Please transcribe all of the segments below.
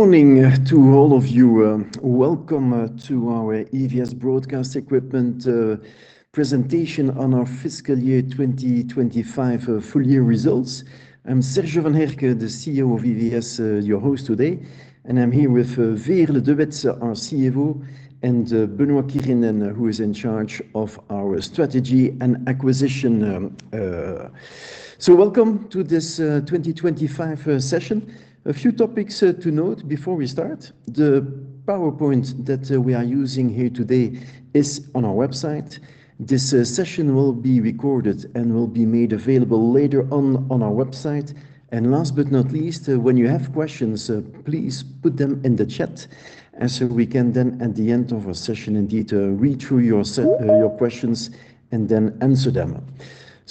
Morning to all of you. Welcome to our EVS Broadcast Equipment presentation on our fiscal year 2025 full year results. I'm Serge Van Herck, the CEO of EVS, your host today. I'm here with Veerle De Wit, our CFO, and Benoît Quirynen, who is in charge of our strategy and acquisition. Welcome to this 2025 session. A few topics to note before we start. The PowerPoint that we are using here today is on our website. This session will be recorded and will be made available later on our website. Last but not least, when you have questions, please put them in the chat, we can then at the end of our session indeed read through your questions and then answer them.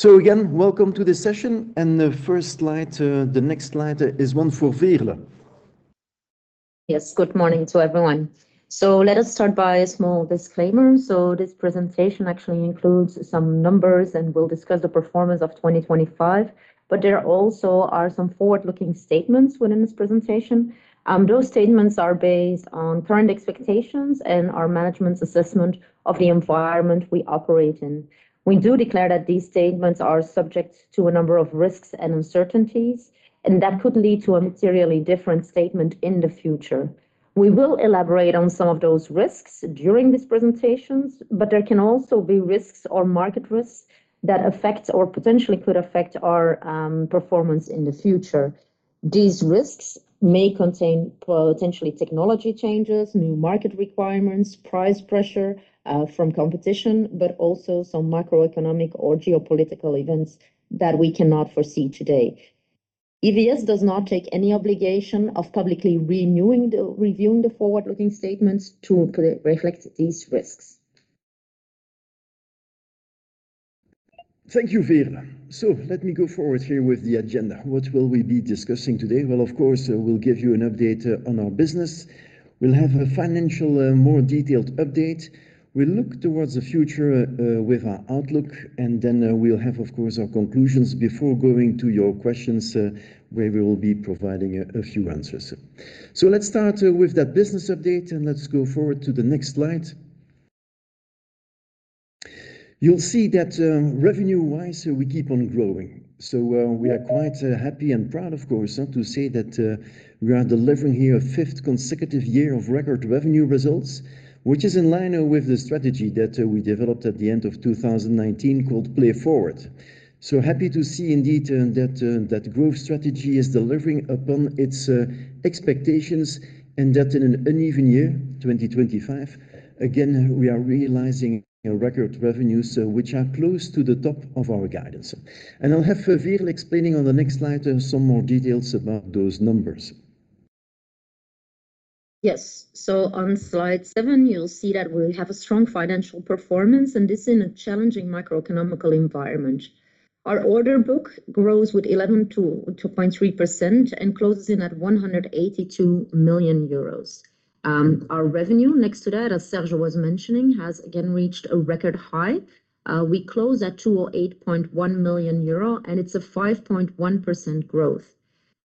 Again, welcome to this session. The first slide, the next slide is one for Veerle. Yes. Good morning to everyone. Let us start by a small disclaimer. This presentation actually includes some numbers, and we'll discuss the performance of 2025, but there also are some forward-looking statements within this presentation. Those statements are based on current expectations and our management's assessment of the environment we operate in. We do declare that these statements are subject to a number of risks and uncertainties, and that could lead to a materially different statement in the future. We will elaborate on some of those risks during these presentations, but there can also be risks or market risks that affect or potentially could affect our performance in the future. These risks may contain potentially technology changes, new market requirements, price pressure from competition, but also some macroeconomic or geopolitical events that we cannot foresee today. EVS does not take any obligation of publicly reviewing the forward-looking statements to re-reflect these risks. Thank you, Veerle. Let me go forward here with the agenda. What will we be discussing today? Well, of course, we'll give you an update on our business. We'll have a financial, more detailed update. We'll look towards the future with our outlook, we'll have, of course, our conclusions before going to your questions, where we will be providing a few answers. Let's start with that business update, and let's go forward to the next slide. You'll see that revenue-wise, we keep on growing. We are quite happy and proud, of course, to say that we are delivering here a fifth consecutive year of record revenue results, which is in line with the strategy that we developed at the end of 2019, called PLAYForward. Happy to see indeed, that growth strategy is delivering upon its expectations and that in an uneven year, 2025, again, we are realizing a record revenues, which are close to the top of our guidance. I'll have Veerle explaining on the next slide some more details about those numbers. On slide 7, you'll see that we have a strong financial performance, and this in a challenging microeconomical environment. Our order book grows with 11.3% and closes in at 182 million euros. Our revenue next to that, as Serge was mentioning, has again reached a record high. We close at 208.1 million euro, it's a 5.1% growth.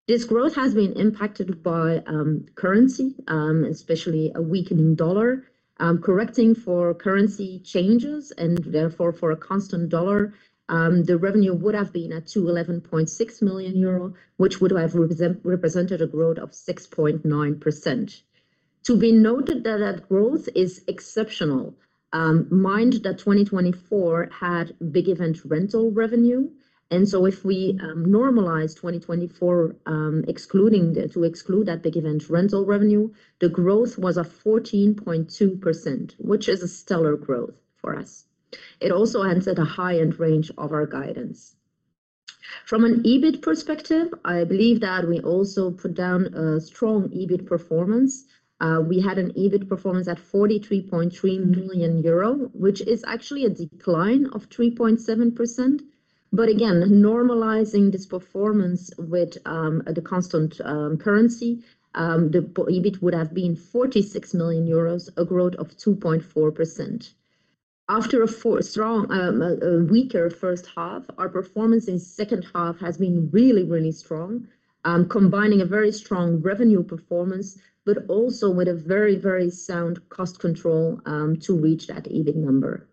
This growth has been impacted by currency, especially a weakening US dollar. Correcting for currency changes and therefore for a constant US dollar, the revenue would have been at 211.6 million euro, which would have represented a growth of 6.9%. To be noted that growth is exceptional. Mind that 2024 had big event rental revenue. If we normalize 2024, excluding to exclude that big event rental revenue, the growth was a 14.2%, which is a stellar growth for us. It also ends at a high-end range of our guidance. From an EBIT perspective, I believe that we also put down a strong EBIT performance. We had an EBIT performance at 43.3 million euro, which is actually a decline of 3.7%. Again, normalizing this performance with the constant currency, the EBIT would have been 46 million euros, a growth of 2.4%. After a strong... A weaker first half, our performance in second half has been really strong, combining a very strong revenue performance with a very sound cost control to reach that EBIT number.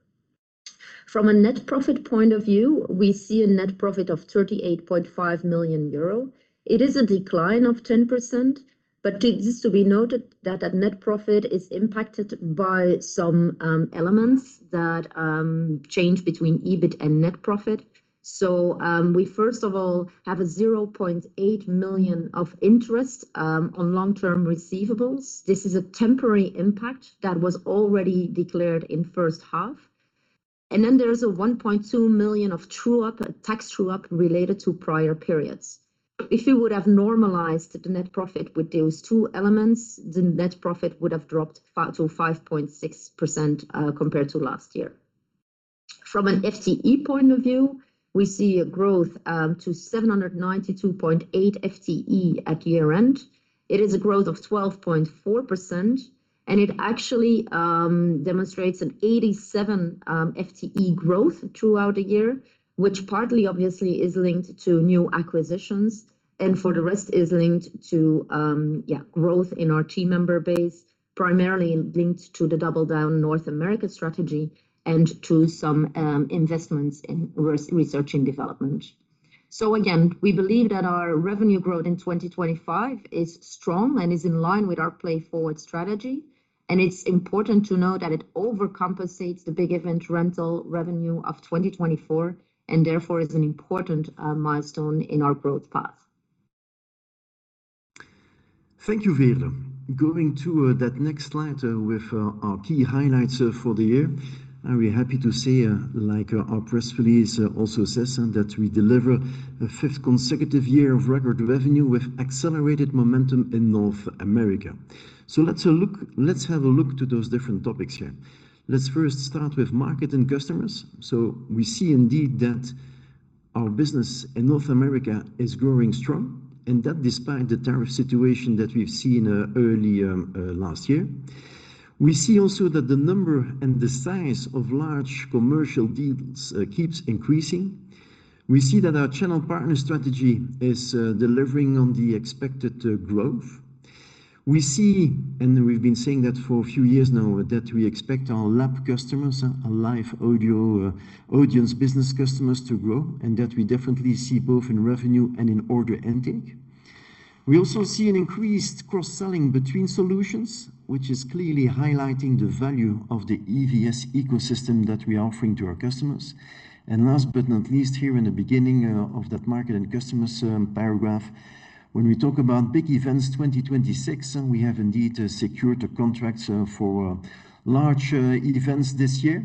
From a net profit point of view, we see a net profit of 38.5 million euro. It is a decline of 10%. It is to be noted that net profit is impacted by some elements that change between EBIT and net profit. We first of all have 0.8 million of interest on long-term receivables. This is a temporary impact that was already declared in first half. There is 1.2 million of true-up, tax true-up related to prior periods. If you would have normalized the net profit with those two elements, the net profit would have dropped to 5.6% compared to last year. From an FTE point of view, we see a growth to 792.8 FTE at year-end. It is a growth of 12.4%, and it actually demonstrates an 87 FTE growth throughout the year, which partly obviously is linked to new acquisitions, and for the rest is linked to, yeah, growth in our team member base, primarily linked to the double down North America strategy and to some investments in research and development. Again, we believe that our revenue growth in 2025 is strong and is in line with our PLAYForward strategy, and it's important to note that it overcompensates the big event rental revenue of 2024 and therefore is an important milestone in our growth path. Thank you, Veerle. Going to that next slide with our key highlights for the year, and we're happy to say, like our press release also says, that we deliver a fifth consecutive year of record revenue with accelerated momentum in North America. Let's have a look to those different topics here. Let's first start with market and customers. We see indeed that our business in North America is growing strong, and that despite the tariff situation that we've seen early last year. We see also that the number and the size of large commercial deals keeps increasing. We see that our channel partner strategy is delivering on the expected growth. We see, and we've been saying that for a few years now, that we expect our LAB customers, our Live Audience Business customers, to grow, and that we definitely see both in revenue and in order intake. We also see an increased cross-selling between solutions, which is clearly highlighting the value of the EVS ecosystem that we're offering to our customers. Last but not least, here in the beginning of that market and customers paragraph, when we talk about big events 2026, we have indeed secured contracts for large events this year.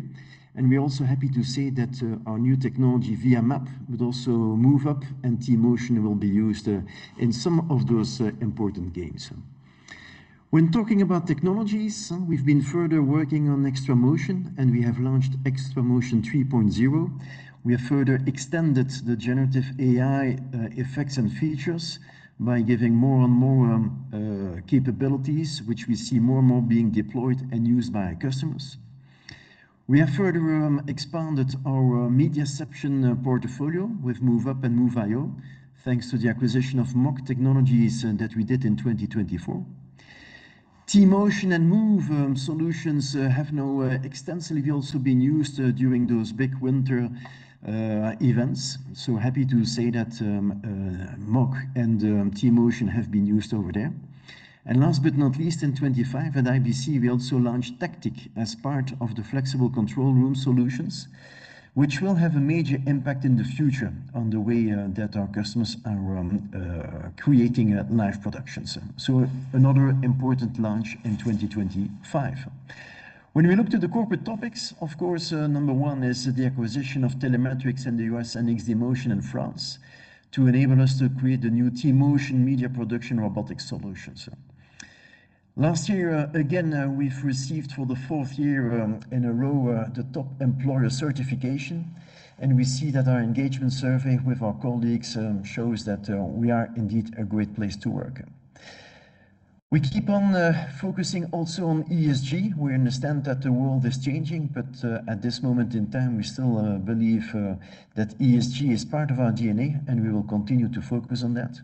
We're also happy to say that our new technology, VIA MAP, with also Move UP and T-Motion, will be used in some of those important games. When talking about technologies, we've been further working on XtraMotion, and we have launched XtraMotion 3.0. We have further extended the generative AI effects and features by giving more and more capabilities, which we see more and more being deployed and used by our customers. We have further expanded our MediaCeption portfolio with Move UP and Move I/O, thanks to the acquisition of MOG Technologies that we did in 2024. T-Motion and Move solutions have now extensively also been used during those big winter events. Happy to say that MOG and T-Motion have been used over there. Last but not least, in 2025 at IBC, we also launched Tactic as part of the flexible control room solutions, which will have a major impact in the future on the way that our customers are creating live productions. Another important launch in 2025. When we look to the corporate topics, of course, number one is the acquisition of Telemetrics in the U.S. and XD Motion in France to enable us to create the new T-Motion media production robotic solutions. Last year, again, we've received for the fourth year in a row, the top employer certification, and we see that our engagement survey with our colleagues shows that we are indeed a great place to work. We keep on focusing also on ESG. We understand that the world is changing, but at this moment in time, we still believe that ESG is part of our DNA, and we will continue to focus on that.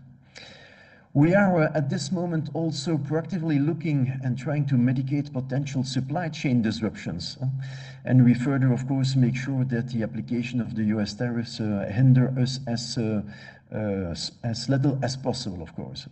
We are at this moment also proactively looking and trying to mitigate potential supply chain disruptions. We further, of course, make sure that the application of the U.S. tariffs hinder us as little as possible, of course.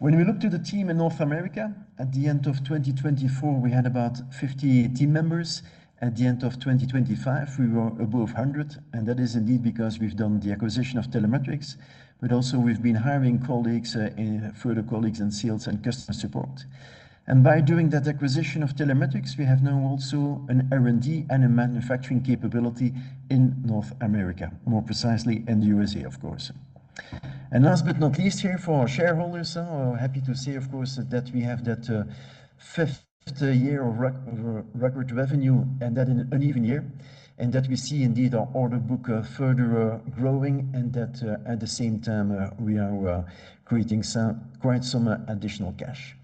When we look to the team in North America, at the end of 2024, we had about 50 team members. At the end of 2025, we were above 100, and that is indeed because we've done the acquisition of Telemetrics, but also we've been hiring colleagues, further colleagues in sales and customer support. By doing that acquisition of Telemetrics, we have now also an R&D and a manufacturing capability in North America, more precisely in the USA, of course. Last but not least here for our shareholders, we're happy to say, of course, that we have that fifth year of record revenue and that in an even year, and that we see indeed our order book further growing, and that at the same time, we are creating some, quite some additional cash.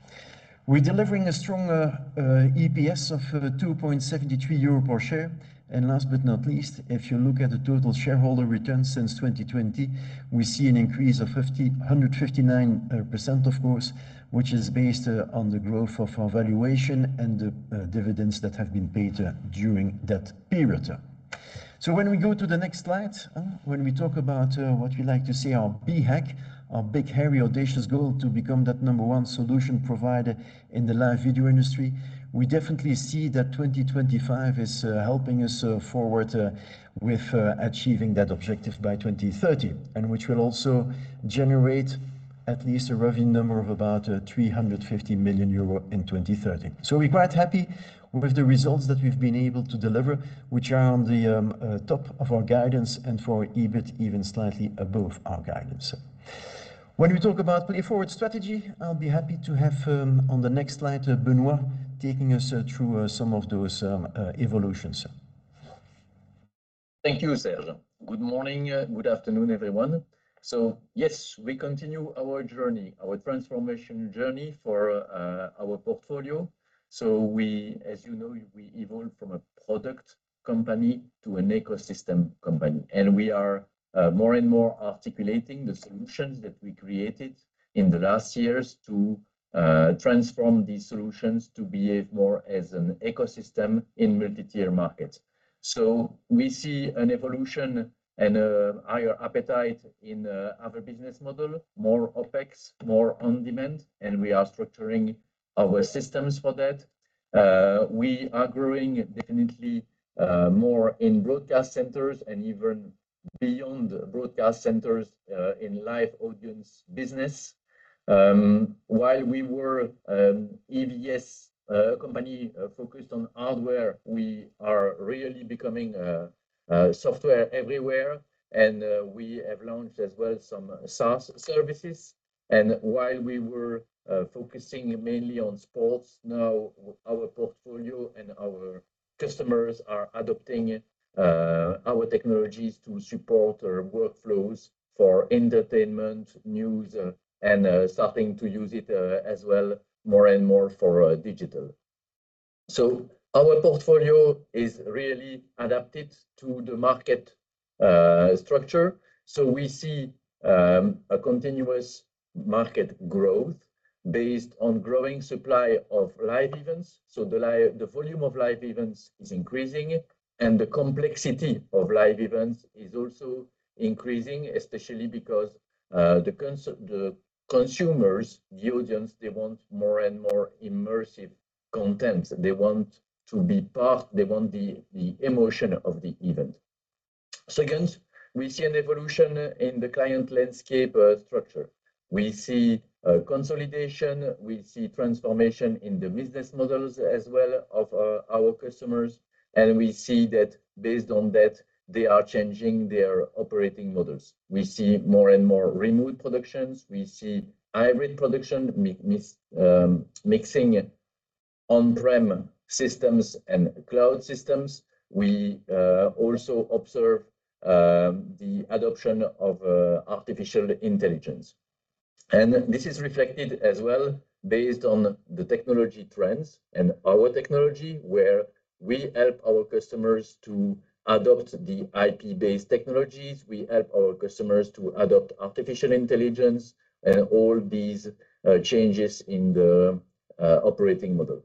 We're delivering a stronger EPS of 2.73 euro per share. Last but not least, if you look at the total shareholder returns since 2020, we see an increase of 159% of course, which is based on the growth of our valuation and the dividends that have been paid during that period. When we go to the next slide, when we talk about what we like to say our BHAG, our big, hairy, audacious goal to become that number one solution provider in the live video industry, we definitely see that 2025 is helping us forward with achieving that objective by 2030, and which will also generate at least a revenue number of about 350 million euro in 2030. We're quite happy with the results that we've been able to deliver, which are on the top of our guidance and for EBIT, even slightly above our guidance. When we talk about PLAYForward strategy, I'll be happy to have on the next slide, Benoît taking us through some of those evolutions. Thank you, Serge. Good morning, good afternoon, everyone. Yes, we continue our journey, our transformation journey for our portfolio. We, as you know, we evolve from a product company to an ecosystem company. We are more and more articulating the solutions that we created in the last years to transform these solutions to behave more as an ecosystem in multi-tier markets. We see an evolution and a higher appetite in other business model, more OpEx, more on-demand, and we are structuring our systems for that. We are growing definitely more in broadcast centers and even beyond broadcast centers in Live Audience Business. While we were EVS company focused on hardware, we are really becoming a software everywhere, and we have launched as well some SaaS services. While we were focusing mainly on sports, now our portfolio and our customers are adopting our technologies to support our workflows for entertainment, news, and starting to use it as well more and more for digital. Our portfolio is really adapted to the market structure. We see a continuous market growth based on growing supply of live events. The volume of live events is increasing, and the complexity of live events is also increasing, especially because the consumers, the audience, they want more and more immersive content. They want to be part, they want the emotion of the event. Second, we see an evolution in the client landscape structure. We see a consolidation, we see transformation in the business models as well of our customers, and we see that based on that, they are changing their operating models. We see more and more remote productions. We see hybrid production mix, mixing on-prem systems and cloud systems. We also observe the adoption of artificial intelligence. This is reflected as well based on the technology trends and our technology, where we help our customers to adopt the IP-based technologies. We help our customers to adopt artificial intelligence and all these changes in the operating model.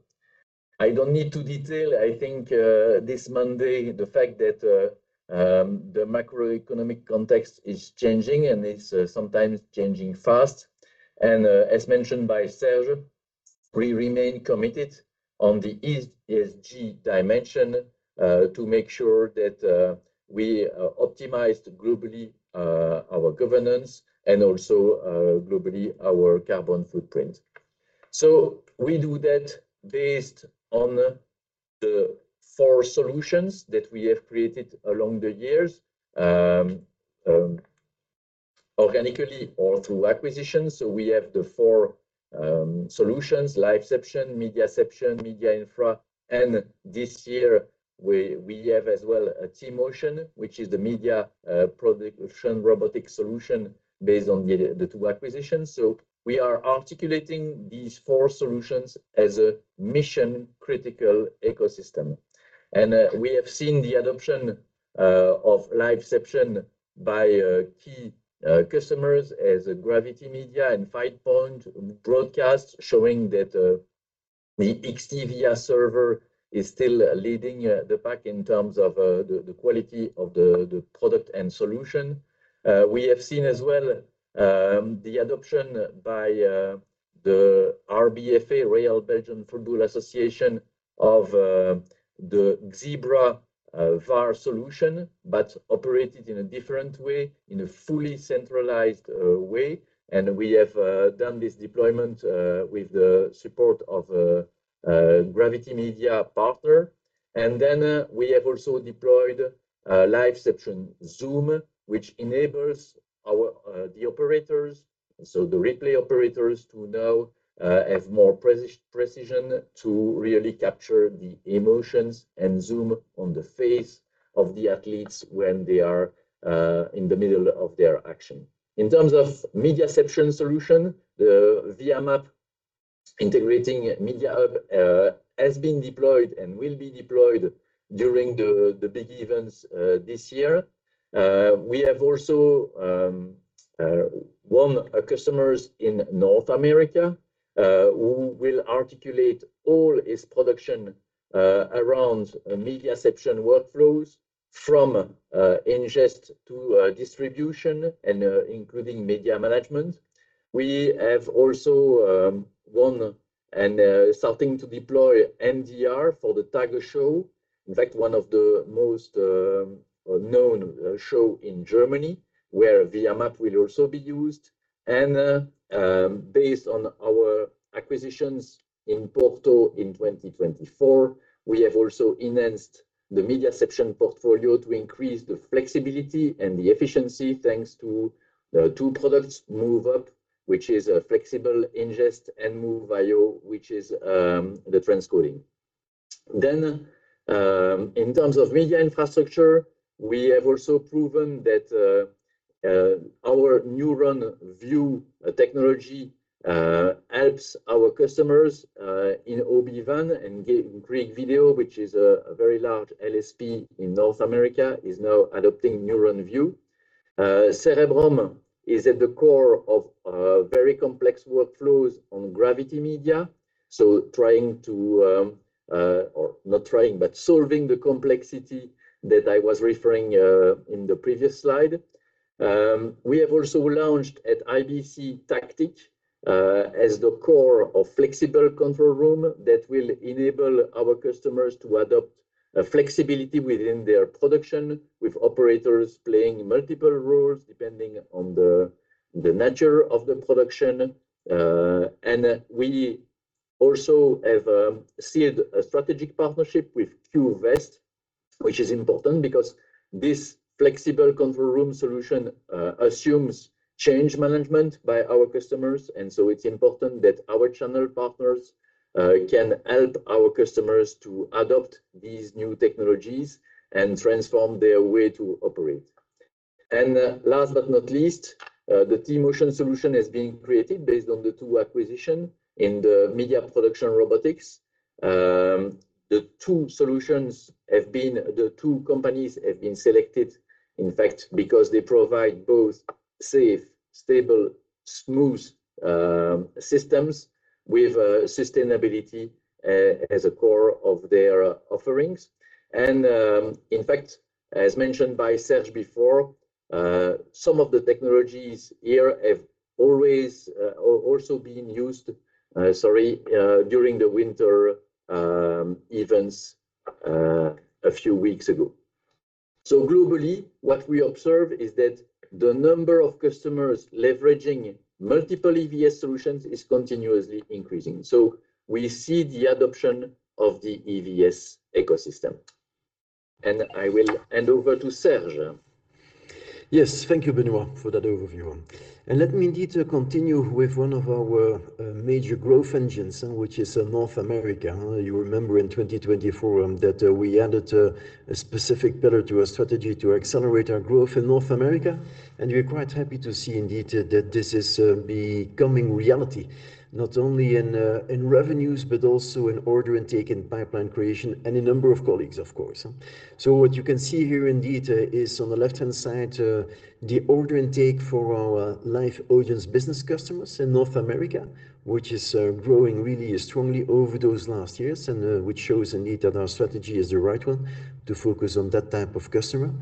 I don't need to detail, I think, this Monday, the fact that the macroeconomic context is changing and it's sometimes changing fast. As mentioned by Serge, we remain committed on the ESG dimension to make sure that we optimize globally our governance and also globally our carbon footprint. We do that based on the four solutions that we have created along the years organically or through acquisitions. We have the four solutions, LiveCeption, MediaCeption, MediaInfra, and this year we have as well a T-Motion, which is the media production robotic solution based on the two acquisitions. We are articulating these four solutions as a mission-critical ecosystem. We have seen the adoption of LiveCeption by key customers as Gravity Media and FinePoint Broadcast, showing that the XT-VIA server is still leading the pack in terms of the quality of the product and solution. We have seen as well the adoption by the RBFA, Royal Belgian Football Association of the Xeebra VAR solution, operated in a different way, in a fully centralized way. We have done this deployment with the support of a Gravity Media partner. We have also deployed a LiveCeption Zoom, which enables our the operators, so the replay operators to now have more precision to really capture the emotions and zoom on the face of the athletes when they are in the middle of their action. In terms of MediaCeption solution, the VIA MAP integrating MediaHub has been deployed and will be deployed during the big events this year. We have also won customers in North America who will articulate all its production around MediaCeption workflows from ingest to distribution and including media management. We have also won and starting to deploy MDR for the Tiger Show. In fact, one of the most known show in Germany where VIA MAP will be also be used. Based on our acquisitions in Porto in 2024, we have also enhanced the MediaCeption portfolio to increase the flexibility and the efficiency, thanks to the two products, Move UP, which is a flexible ingest, and Move I/O, which is the transcoding. In terms of media infrastructure, we have also proven that our Neuron VIEW technology helps our customers in OB van and Game Creek Video, which is a very large LSP in North America, is now adopting Neuron VIEW. Cerebrum is at the core of very complex workflows on Gravity Media. Trying to, or not trying, but solving the complexity that I was referring in the previous slide. We have also launched at IBC Tactic as the core of flexible control room that will enable our customers to adopt a flexibility within their production, with operators playing multiple roles depending on the nature of the production. We also have sealed a strategic partnership with Qvest, which is important because this flexible control room solution assumes change management by our customers. It's important that our channel partners can help our customers to adopt these new technologies and transform their way to operate. Last but not least, the T-Motion solution is being created based on the two acquisition in the Media Production Robotics. The two companies have been selected, in fact, because they provide both safe, stable, smooth systems with sustainability as a core of their offerings. In fact, as mentioned by Serge before, some of the technologies here have always been used during the winter events a few weeks ago. Globally, what we observe is that the number of customers leveraging multiple EVS solutions is continuously increasing. We see the adoption of the EVS ecosystem. I will hand over to Serge. Yes. Thank you, Benoît, for that overview. Let me indeed continue with one of our major growth engines, which is North America. You remember in 2024 that we added a specific pillar to our strategy to accelerate our growth in North America. We're quite happy to see indeed that this is becoming reality, not only in revenues, but also in order intake and pipeline creation, and a number of colleagues, of course. What you can see here indeed is on the left-hand side the order intake for our Live Audience Business customers in North America, which is growing really strongly over those last years, and which shows indeed that our strategy is the right one to focus on that type of customer.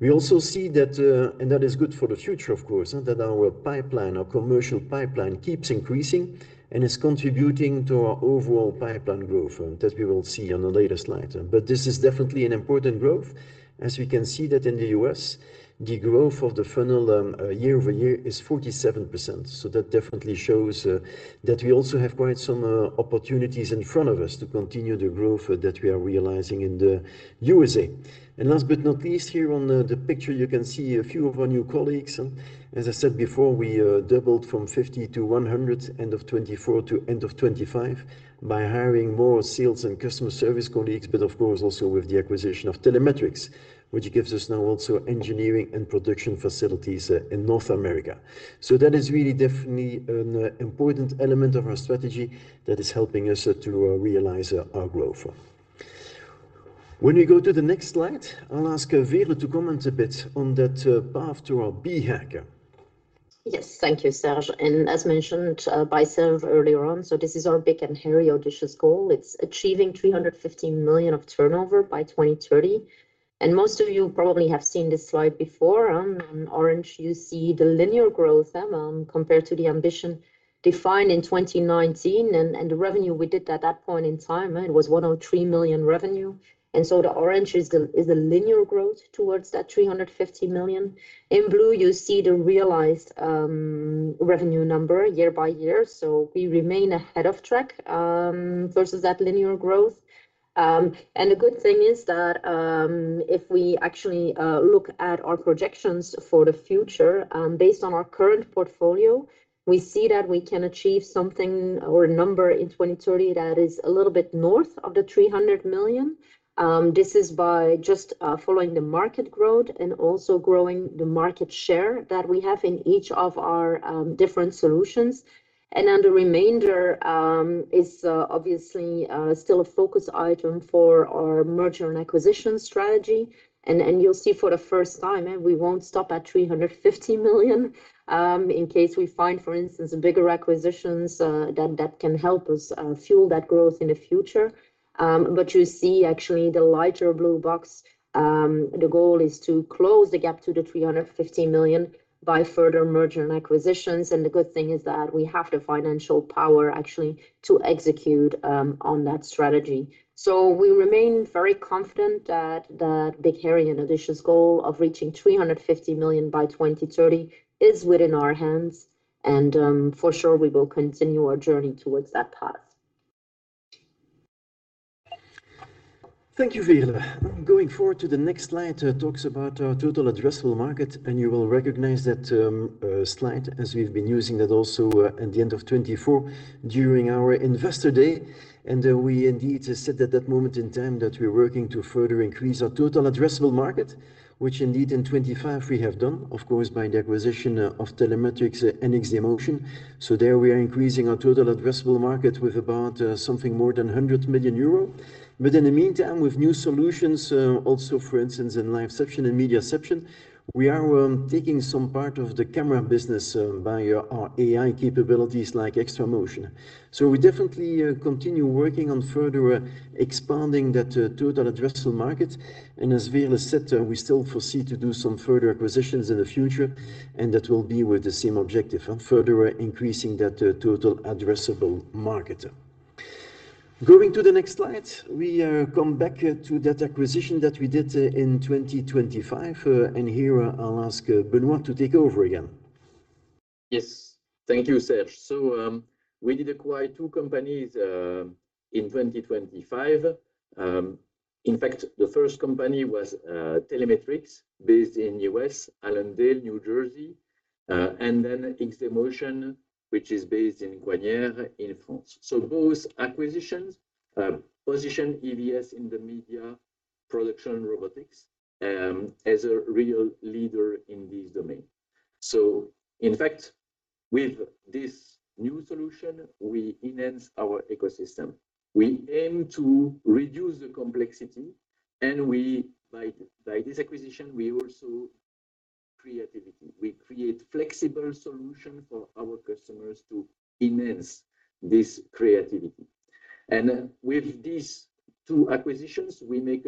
We also see that, and that is good for the future, of course, that our pipeline, our commercial pipeline keeps increasing and is contributing to our overall pipeline growth, that we will see on a later slide. This is definitely an important growth, as we can see that in the U.S., the growth of the funnel, year-over-year is 47%. That definitely shows that we also have quite some opportunities in front of us to continue the growth that we are realizing in the USA. Last but not least, here on the picture, you can see a few of our new colleagues. As I said before, we doubled from 50 to 100 end of 2024 to end of 2025 by hiring more sales and customer service colleagues, but of course also with the acquisition of Telemetrics, which gives us now also engineering and production facilities in North America. That is really definitely an important element of our strategy that is helping us to realize our growth. When we go to the next slide, I'll ask Veerle to comment a bit on that path to our BHAG. Yes. Thank you, Serge. As mentioned by Serge earlier on, this is our big and hairy audacious goal. It's achieving 350 million of turnover by 2030. Most of you probably have seen this slide before, on orange, you see the linear growth compared to the ambition defined in 2019 and the revenue we did at that point in time, it was 103 million revenue. The orange is the linear growth towards that 350 million. In blue, you see the realized revenue number year by year. We remain ahead of track versus that linear growth. The good thing is that if we look at our projections for the future, based on our current portfolio, we see that we can achieve something or a number in 2030 that is a little bit north of 300 million. This is by just following the market growth and also growing the market share that we have in each of our different solutions. The remainder is obviously still a focus item for our merger and acquisition strategy. You'll see for the first time, we won't stop at 350 million, in case we find, for instance, bigger acquisitions that can help us fuel that growth in the future. You see actually the lighter blue box, the goal is to close the gap to 350 million by further merger and acquisitions. The good thing is that we have the financial power actually to execute on that strategy. We remain very confident that the big, hairy, and audacious goal of reaching 350 million by 2030 is within our hands, and for sure we will continue our journey towards that path. Thank you, Veerle. Going forward to the next slide, it talks about our total addressable market, you will recognize that slide as we've been using that also at the end of 2024 during our investor day. We indeed said at that moment in time that we're working to further increase our total addressable market, which indeed in 2025 we have done, of course, by the acquisition of Telemetrics and XD Motion. There we are increasing our total addressable market with about something more than 100 million euro. In the meantime, with new solutions, also for instance, in LiveCeption and MediaCeption, we are taking some part of the camera business by our AI capabilities like XtraMotion. We definitely continue working on further expanding that total addressable market. As Veerle said, we still foresee to do some further acquisitions in the future, and that will be with the same objective, further increasing that total addressable market. Going to the next slide, we come back to that acquisition that we did in 2025. Here I'll ask Benoît to take over again. Yes. Thank you, Serge. We did acquire two companies in 2025. In fact, the first company was Telemetrics, based in U.S., Allendale, New Jersey. XD Motion, which is based in Coignières in France. Both acquisitions position EVS in the Media Production Robotics as a real leader in this domain. In fact, with this new solution, we enhance our ecosystem. We aim to reduce the complexity, by this acquisition, we also creativity. We create flexible solution for our customers to enhance this creativity. With these two acquisitions, we make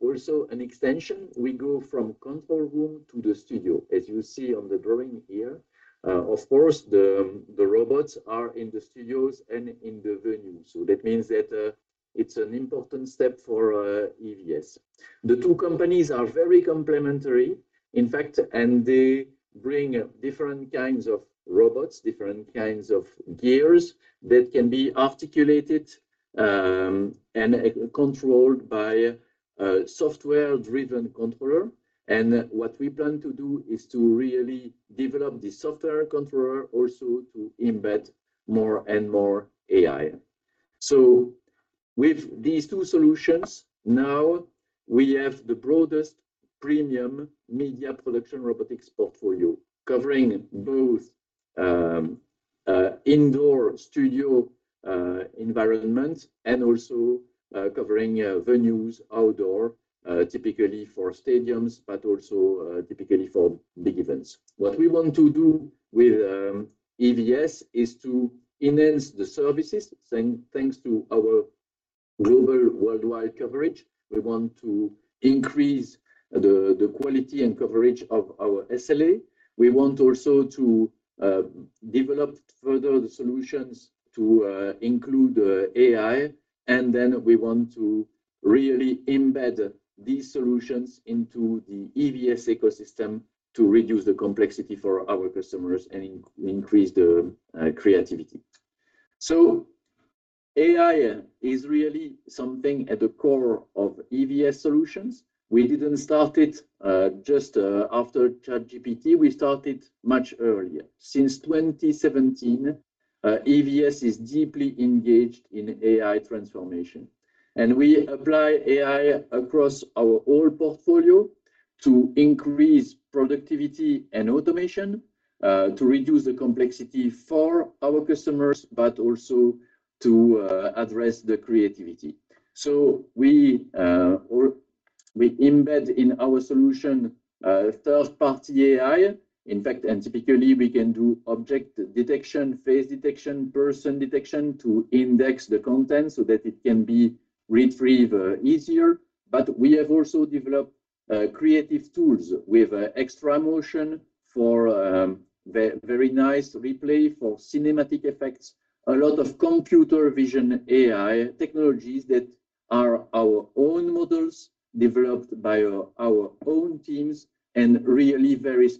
also an extension. We go from control room to the studio, as you see on the drawing here. Of course, the robots are in the studios and in the venue. That means that it's an important step for EVS. The two companies are very complementary, in fact, and they bring up different kinds of robots, different kinds of gears that can be articulated and controlled by a software-driven controller. What we plan to do is to really develop the software controller also to embed more and more AI. With these two solutions, now we have the broadest premium Media Production Robotics portfolio covering both indoor studio environments and also covering venues outdoor, typically for stadiums, but also typically for big events. What we want to do with EVS is to enhance the services, thanks to our global worldwide coverage. We want to increase the quality and coverage of our SLA. We want also to develop further the solutions to include AI. We want to really embed these solutions into the EVS ecosystem to reduce the complexity for our customers and increase the creativity. AI is really something at the core of EVS solutions. We didn't start it just after ChatGPT. We started much earlier. Since 2017, EVS is deeply engaged in AI transformation, we apply AI across our whole portfolio to increase productivity and automation, to reduce the complexity for our customers, but also to address the creativity. We embed in our solution third-party AI, in fact, typically we can do object detection, face detection, person detection to index the content so that it can be retrieved easier. We have also developed creative tools with XtraMotion for very nice replay for cinematic effects. A lot of computer vision AI technologies that are our own models developed by our own teams and really very,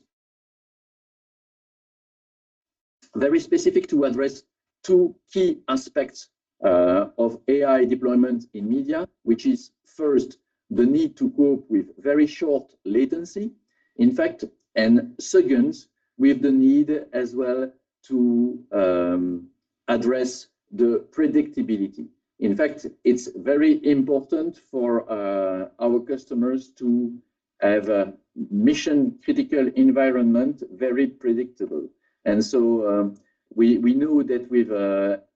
very specific to address two key aspects of AI deployment in media, which is first, the need to cope with very short latency, in fact. Second, we have the need as well to address the predictability. In fact, it's very important for our customers to have a mission-critical environment, very predictable. So, we know that with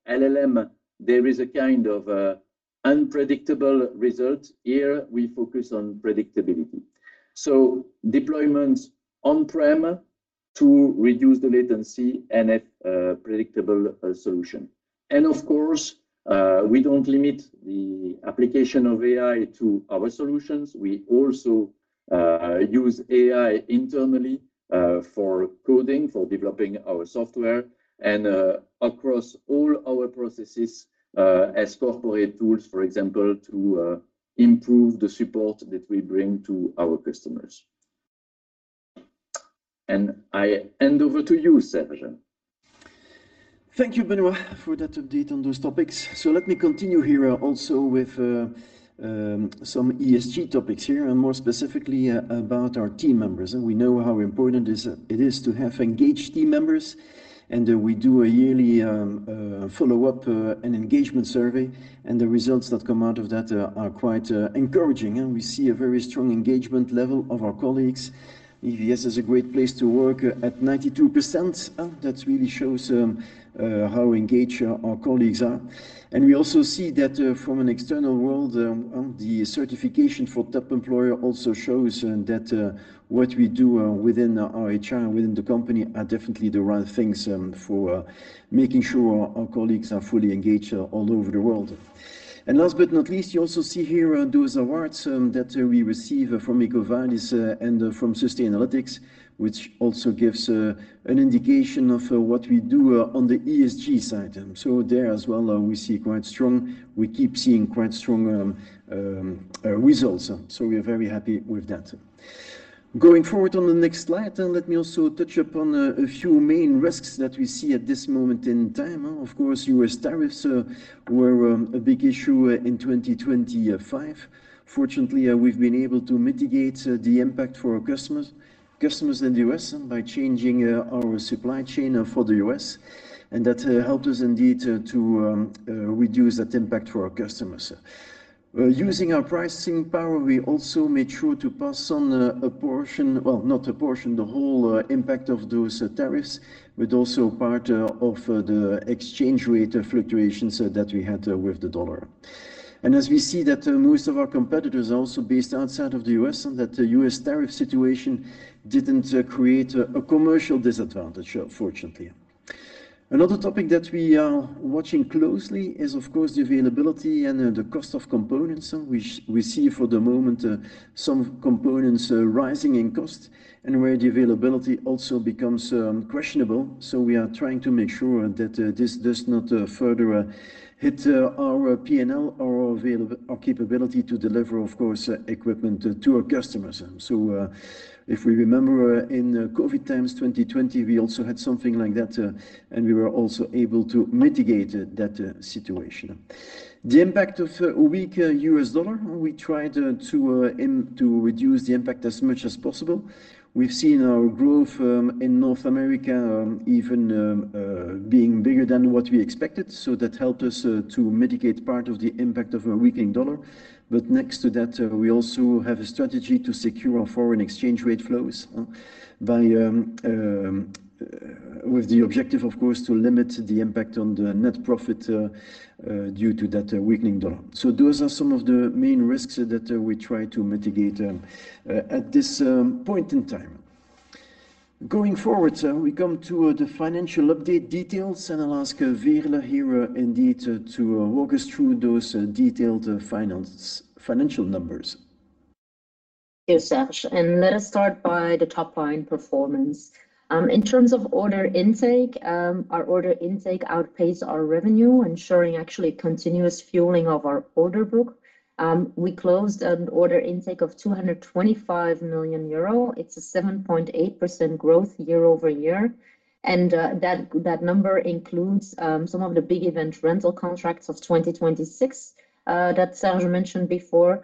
LLM, there is a kind of a unpredictable result. Here we focus on predictability. So deployments on-prem to reduce the latency and a predictable solution. Of course, we don't limit the application of AI to our solutions. We also use AI internally for coding, for developing our software and across all our processes as corporate tools, for example, to improve the support that we bring to our customers. I hand over to you, Serge Thank you, Benoît, for that update on those topics. Let me continue here also with some ESG topics here, and more specifically about our team members. We know how important it is to have engaged team members, and we do a yearly follow-up and engagement survey, and the results that come out of that are quite encouraging. We see a very strong engagement level of our colleagues. EVS is a great place to work at 92%. That really shows how engaged our colleagues are. We also see that from an external world, the certification for top employer also shows that what we do within our HR and within the company are definitely the right things for making sure our colleagues are fully engaged all over the world. Last but not least, you also see here those awards that we receive from EcoVadis and from Sustainalytics, which also gives an indication of what we do on the ESG side. There as well, we keep seeing quite strong results. We are very happy with that. Going forward on the next slide, let me also touch upon a few main risks that we see at this moment in time. Of course, U.S. tariffs were a big issue in 2025. Fortunately, we've been able to mitigate the impact for our customers in the U.S. by changing our supply chain for the U.S., that helped us indeed to reduce that impact for our customers. Using our pricing power, we also made sure to pass on the whole impact of those tariffs, but also part of the exchange rate fluctuations that we had with the dollar. As we see that most of our competitors are also based outside of the U.S., that the U.S. tariff situation didn't create a commercial disadvantage, fortunately. Another topic that we are watching closely is of course the availability and the cost of components, which we see for the moment, some components rising in cost and where the availability also becomes questionable. We are trying to make sure that this does not further hit our PNL or our capability to deliver of course equipment to our customers. If we remember in COVID times, 2020, we also had something like that, and we were also able to mitigate that situation. The impact of a weak U.S. dollar, we tried to reduce the impact as much as possible. We've seen our growth in North America, even being bigger than what we expected, that helped us to mitigate part of the impact of a weakening dollar. Next to that, we also have a strategy to secure our foreign exchange rate flows by with the objective of course to limit the impact on the net profit due to that weakening dollar. Those are some of the main risks that we try to mitigate at this point in time. Going forward, we come to the financial update details, I'll ask Veerle here indeed to walk us through those detailed financial numbers. Yes, Serge. Let us start by the top-line performance. In terms of order intake, our order intake outpaced our revenue, ensuring actually continuous fueling of our order book. We closed an order intake of 225 million euro. It's a 7.8% growth year-over-year. That number includes some of the big event rental contracts of 2026 that Serge mentioned before,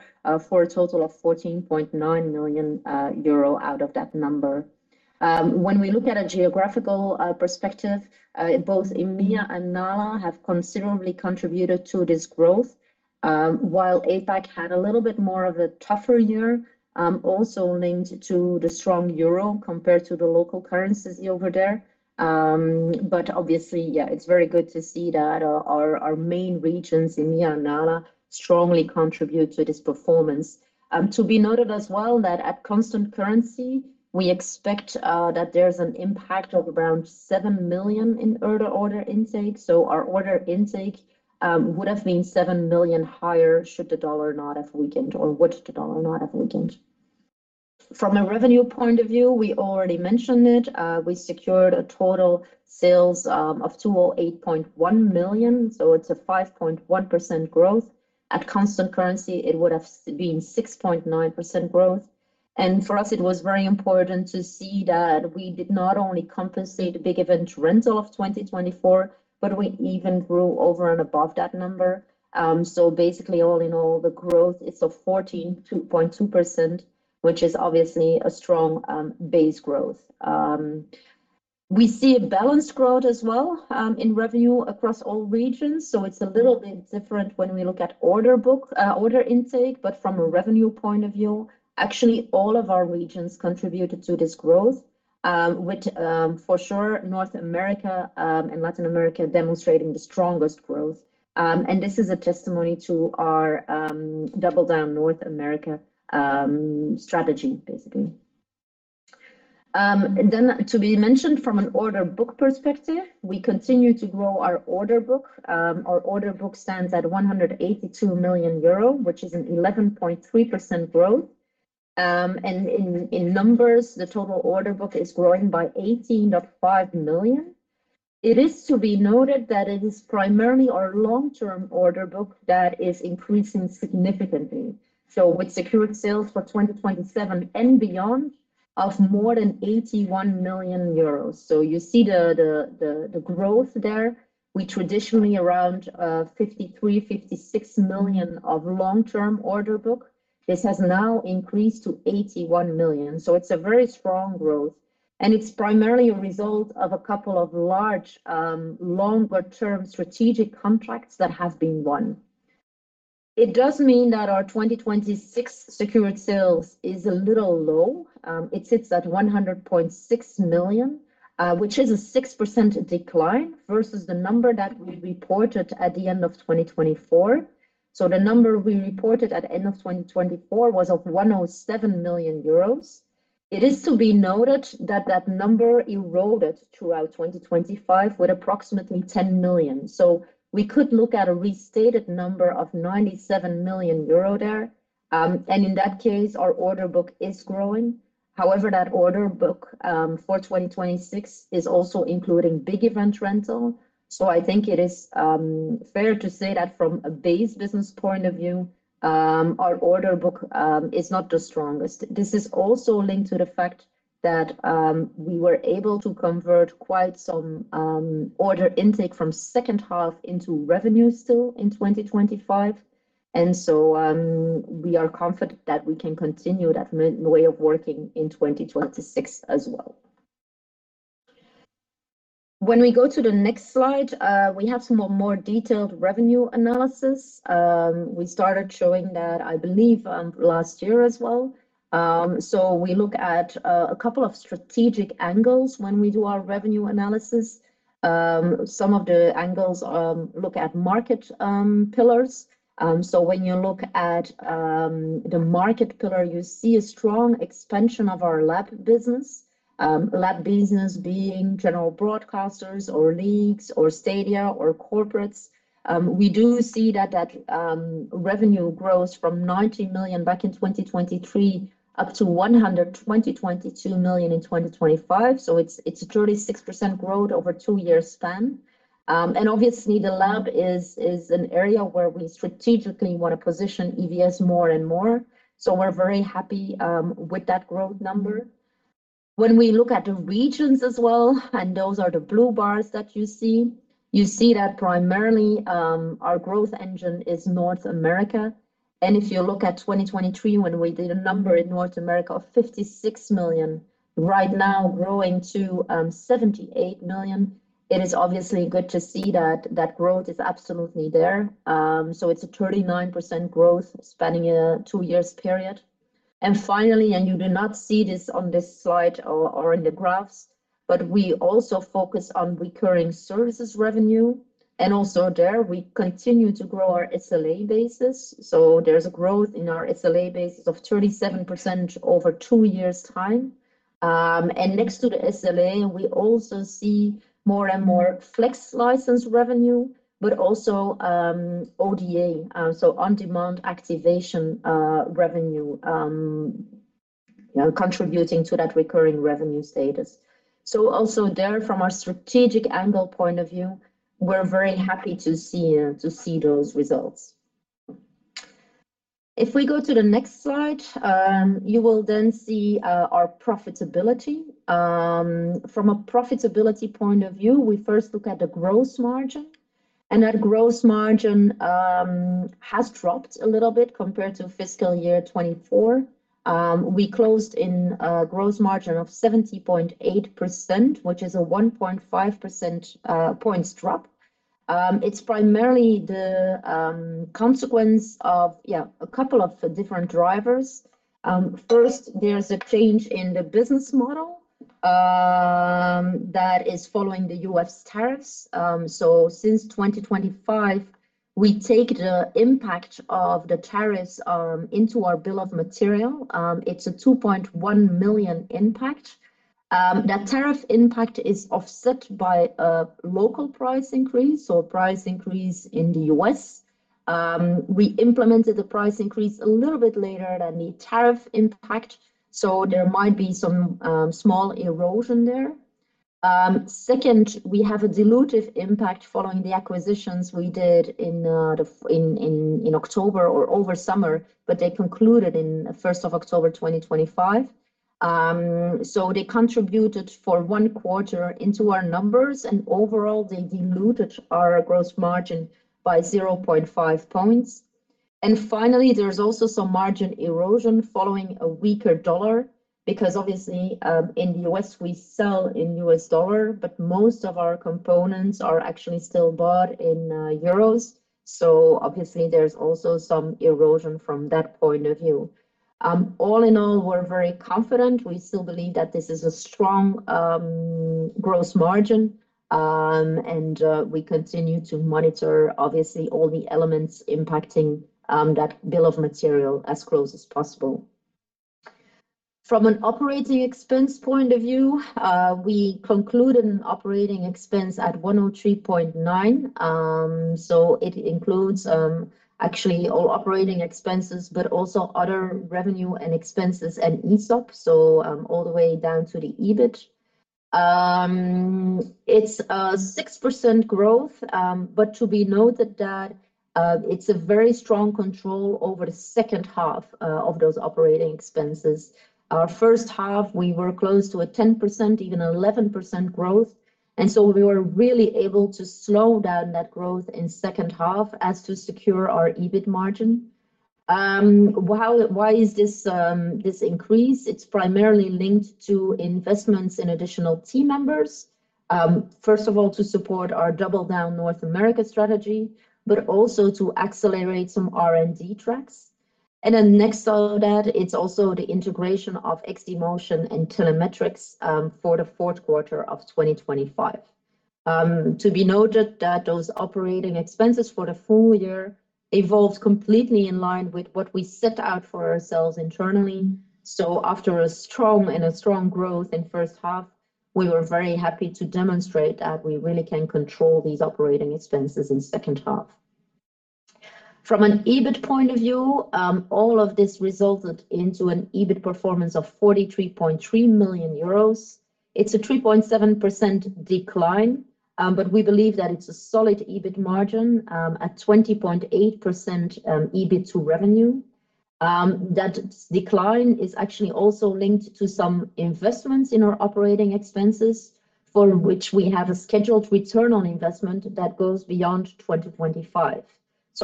for a total of 14.9 million euro out of that number. When we look at a geographical perspective, both EMEA and NALA have considerably contributed to this growth, while APAC had a little bit more of a tougher year, also linked to the strong euro compared to the local currencies over there. Obviously, it's very good to see that our main regions, EMEA and NALA, strongly contribute to this performance. To be noted as well that at constant currency, we expect that there's an impact of around 7 million in order intake. Our order intake would have been 7 million higher should the U.S. dollar not have weakened or would the U.S. dollar not have weakened. From a revenue point of view, we already mentioned it, we secured a total sales of 208.1 million, it's a 5.1% growth. At constant currency, it would have been 6.9% growth. For us it was very important to see that we did not only compensate the big event rental of 2024, but we even grew over and above that number. Basically all in all, the growth is of 14.2%, which is obviously a strong base growth. We see a balanced growth as well in revenue across all regions. It's a little bit different when we look at order book, order intake. From a revenue point of view, actually all of our regions contributed to this growth, which for sure North America and Latin America demonstrating the strongest growth. And this is a testimony to our Double Down North America strategy, basically. To be mentioned from an order book perspective, we continue to grow our order book. Our order book stands at 182 million euro, which is an 11.3% growth. In numbers, the total order book is growing by 18.05 million. It is to be noted that it is primarily our long-term order book that is increasing significantly. With secured sales for 2027 and beyond of more than 81 million euros. You see the growth there. We traditionally around 53 million-56 million of long-term order book. This has now increased to 81 million. It's a very strong growth, and it's primarily a result of a couple of large, longer term strategic contracts that have been won. It does mean that our 2026 secured sales is a little low. It sits at 100.6 million, which is a 6% decline versus the number that we reported at the end of 2024. The number we reported at end of 2024 was of 107 million euros. It is to be noted that that number eroded throughout 2025 with approximately 10 million. We could look at a restated number of 97 million euro there. In that case, our order book is growing. However, that order book for 2026 is also including big event rental. I think it is fair to say that from a base business point of view, our order book is not the strongest. This is also linked to the fact that we were able to convert quite some order intake from second half into revenue still in 2025. We are confident that we can continue that way of working in 2026 as well. When we go to the next slide, we have some more detailed revenue analysis. We started showing that, I believe, last year as well. We look at a couple of strategic angles when we do our revenue analysis. Some of the angles look at market pillars. When you look at the market pillar, you see a strong expansion of our LAB business. LAB business being general broadcasters or leagues or stadia or corporates. We do see that revenue grows from 19 million back in 2023 up to 122 million in 2025. It's a 36% growth over 2-year span. And obviously the LAB is an area where we strategically want to position EVS more and more. We're very happy with that growth number. When we look at the regions as well, and those are the blue bars that you see, you see that primarily, our growth engine is North America. If you look at 2023, when we did a number in North America of 56 million, right now growing to 78 million, it is obviously good to see that that growth is absolutely there. It's a 39% growth spanning a 2 years period. Finally, and you do not see this on this slide or in the graphs, but we also focus on recurring services revenue. Also there we continue to grow our SLA basis. There's a growth in our SLA basis of 37% over 2 years' time. Next to the SLA, we also see more and more flex license revenue, but also ODA, so on-demand activation revenue, you know, contributing to that recurring revenue status. Also there from our strategic angle point of view, we're very happy to see those results. If we go to the next slide, you will then see our profitability. From a profitability point of view, we first look at the gross margin, that gross margin has dropped a little bit compared to fiscal year 2024. We closed in a gross margin of 70.8%, which is a 1.5% points drop. It's primarily the consequence of, yeah, a couple of different drivers. First, there's a change in the business model that is following the U.S. tariffs. Since 2025, we take the impact of the tariffs into our bill of material. It's a 2.1 million impact. That tariff impact is offset by a local price increase or price increase in the U.S. We implemented the price increase a little bit later than the tariff impact, so there might be some small erosion there. We have a dilutive impact following the acquisitions we did in October or over summer, but they concluded in 1st of October 2025. They contributed for 1 quarter into our numbers, and overall, they diluted our gross margin by 0.5 points. Finally, there's also some margin erosion following a weaker dollar because obviously, in the U.S., we sell in U.S. dollar, but most of our components are actually still bought in euros. Obviously there's also some erosion from that point of view. All in all, we're very confident. We still believe that this is a strong gross margin, and we continue to monitor obviously all the elements impacting that bill of materials as close as possible. From an operating expense point of view, we concluded an operating expense at 103.9. It includes actually all operating expenses, but also other revenue and expenses and ESOP, all the way down to the EBIT. It's a 6% growth, to be noted that it's a very strong control over the second half of those operating expenses. Our first half, we were close to a 10%, even 11% growth. We were really able to slow down that growth in second half as to secure our EBIT margin. Why is this increase? It's primarily linked to investments in additional team members, first of all, to support our double-down North America strategy, but also to accelerate some R&D tracks. Next to that, it's also the integration of XD Motion and Telemetrics for the fourth quarter of 2025. To be noted that those operating expenses for the full year evolved completely in line with what we set out for ourselves internally. After a strong growth in first half, we were very happy to demonstrate that we really can control these operating expenses in second half. From an EBIT point of view, all of this resulted into an EBIT performance of 43.3 million euros. It's a 3.7% decline, but we believe that it's a solid EBIT margin, at 20.8% EBIT to revenue. That decline is actually also linked to some investments in our operating expenses, for which we have a scheduled return on investment that goes beyond 2025.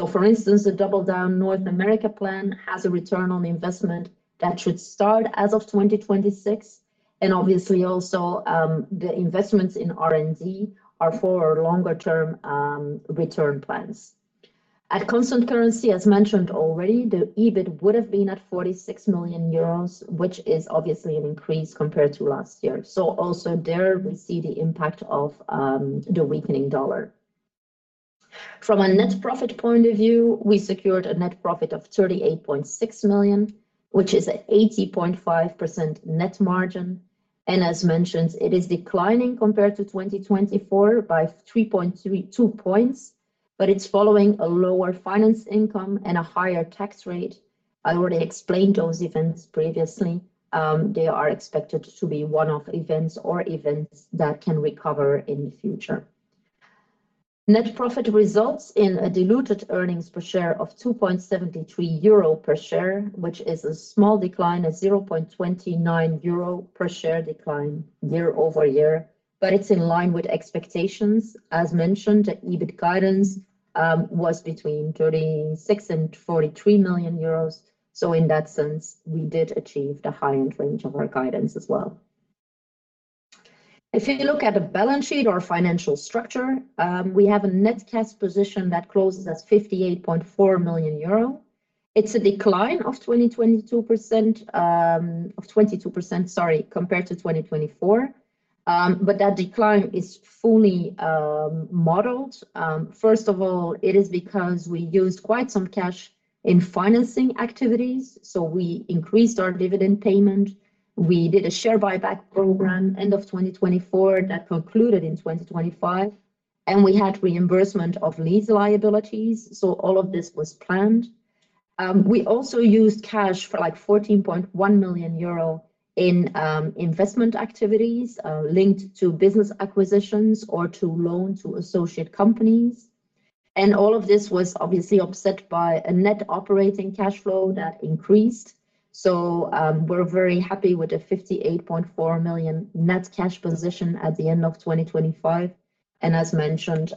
For instance, the Double Down North America plan has a return on investment that should start as of 2026, and obviously also, the investments in R&D are for longer term return plans. At constant currency, as mentioned already, the EBIT would have been at 46 million euros, which is obviously an increase compared to last year. Also there we see the impact of the weakening dollar. From a net profit point of view, we secured a net profit of 38.6 million, which is 80.5% net margin. As mentioned, it is declining compared to 2024 by 3.32 points, but it's following a lower finance income and a higher tax rate. I already explained those events previously. They are expected to be one-off events or events that can recover in the future. Net profit results in a diluted earnings per share of 2.73 euro per share, which is a small decline, a 0.29 euro per share decline year-over-year, it's in line with expectations. As mentioned, the EBIT guidance was between 36 million and 43 million euros. In that sense, we did achieve the high-end range of our guidance as well. If you look at the balance sheet or financial structure, we have a net cash position that closes at 58.4 million euro. It's a decline of 22% compared to 2024. That decline is fully modeled. First of all, it is because we used quite some cash in financing activities. We increased our dividend payment. We did a share buyback program end of 2024 that concluded in 2025. We had reimbursement of lease liabilities. All of this was planned. We also used cash for like 14.1 million euro in investment activities, linked to business acquisitions or to loan to associate companies. All of this was obviously offset by a net operating cash flow that increased. We're very happy with the 58.4 million net cash position at the end of 2025. As mentioned,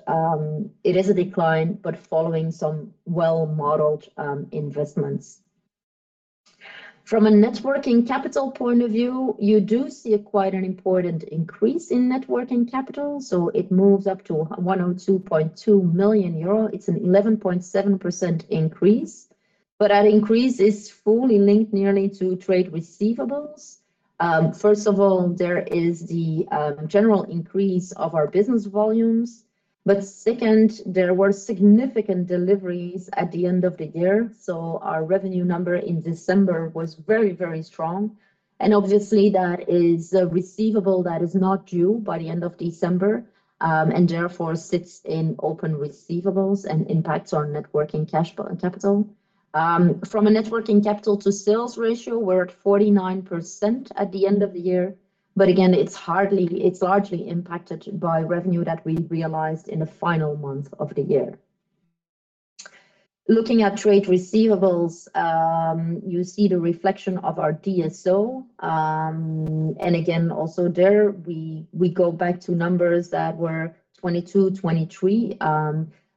it is a decline, following some well-modeled investments. From a net working capital point of view, you do see quite an important increase in net working capital. It moves up to 102.2 million euro. It's an 11.7% increase. That increase is fully linked nearly to trade receivables. First of all, there is the general increase of our business volumes. Second, there were significant deliveries at the end of the year. Our revenue number in December was very, very strong. Obviously that is a receivable that is not due by the end of December, and therefore sits in open receivables and impacts our net working cash capital. From a net working capital to sales ratio, we're at 49% at the end of the year. Again, it's largely impacted by revenue that we realized in the final month of the year. Looking at trade receivables, you see the reflection of our DSO. Again, also there we go back to numbers that were 22, 23,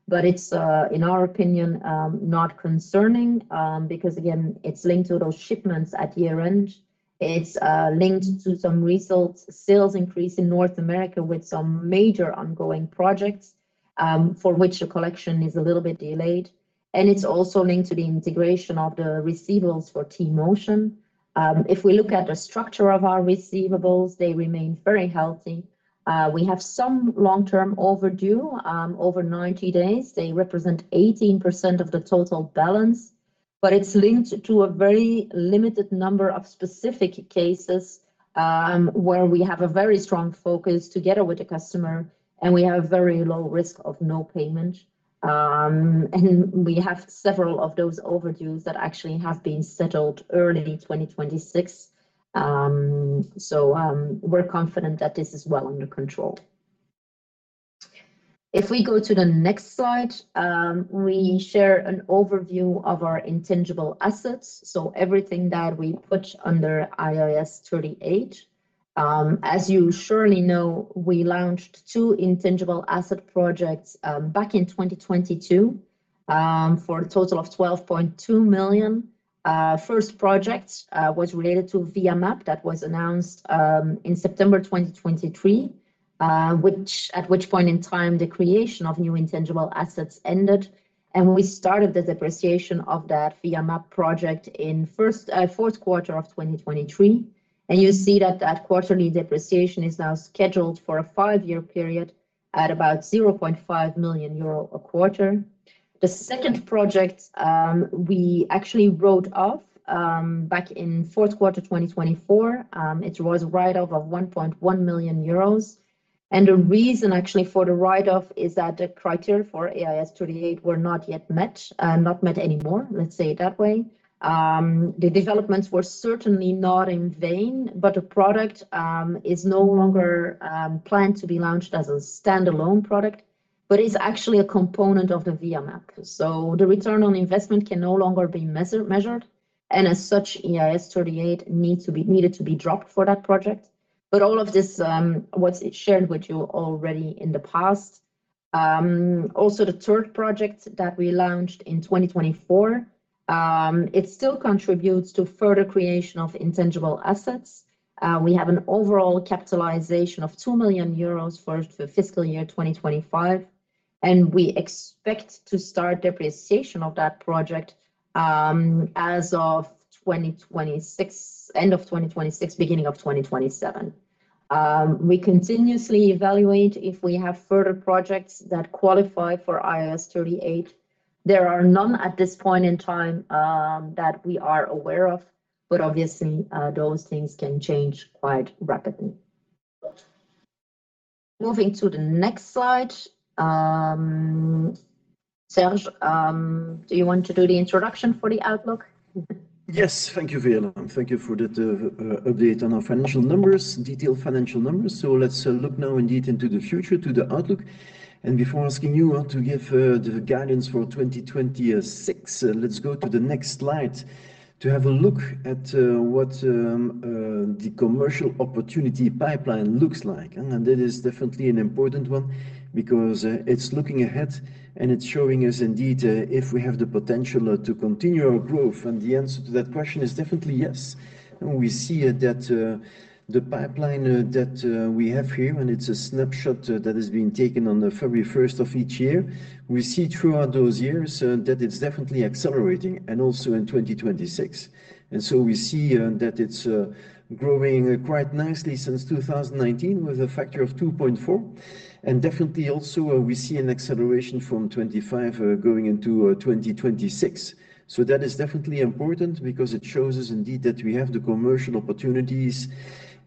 but it's in our opinion not concerning, because again, it's linked to those shipments at year-end. It's linked to some results, sales increase in North America with some major ongoing projects, for which the collection is a little bit delayed. It's also linked to the integration of the receivables for T-Motion. If we look at the structure of our receivables, they remain very healthy. We have some long-term overdue, over 90 days. They represent 18% of the total balance, but it's linked to a very limited number of specific cases, where we have a very strong focus together with the customer, and we have very low risk of no payment. We have several of those overdues that actually have been settled early 2026. We're confident that this is well under control. If we go to the next slide, we share an overview of our intangible assets, so everything that we put under IAS 38. As you surely know, we launched two intangible asset projects back in 2022 for a total of 12.2 million. Our first project was related to VIA MAP that was announced in September 2023, at which point in time the creation of new intangible assets ended. We started the depreciation of that VIA MAP project in fourth quarter of 2023, and you see that that quarterly depreciation is now scheduled for a 5-year period at about 0.5 million euro a quarter. The second project, we actually wrote off, back in fourth quarter 2024. It was a write-off of 1.1 million euros. The reason actually for the write-off is that the criteria for IAS 38 were not yet met, not met anymore, let's say it that way. The developments were certainly not in vain, but the product is no longer planned to be launched as a standalone product, but is actually a component of the VIA MAP. The return on investment can no longer be measured, and as such, IAS 38 needed to be dropped for that project. All of this was shared with you already in the past. Also the third project that we launched in 2024, it still contributes to further creation of intangible assets. We have an overall capitalization of 2 million euros for the fiscal year 2025, and we expect to start depreciation of that project as of 2026, end of 2026, beginning of 2027. We continuously evaluate if we have further projects that qualify for IAS 38. There are none at this point in time that we are aware of, but obviously, those things can change quite rapidly. Moving to the next slide. Serge, do you want to do the introduction for the outlook? Yes. Thank you, Veerle. Thank you for that update on our financial numbers, detailed financial numbers. Let's look now indeed into the future, to the outlook. Before asking you to give the guidance for 2026, let's go to the next slide to have a look at what the commercial opportunity pipeline looks like. That is definitely an important one because it's looking ahead, and it's showing us indeed if we have the potential to continue our growth. The answer to that question is definitely yes. We see that the pipeline that we have here, and it's a snapshot that has been taken on the very first of each year. We see throughout those years that it's definitely accelerating, and also in 2026. We see that it's growing quite nicely since 2019 with a factor of 2.4. Definitely also we see an acceleration from 25 going into 2026. That is definitely important because it shows us indeed that we have the commercial opportunities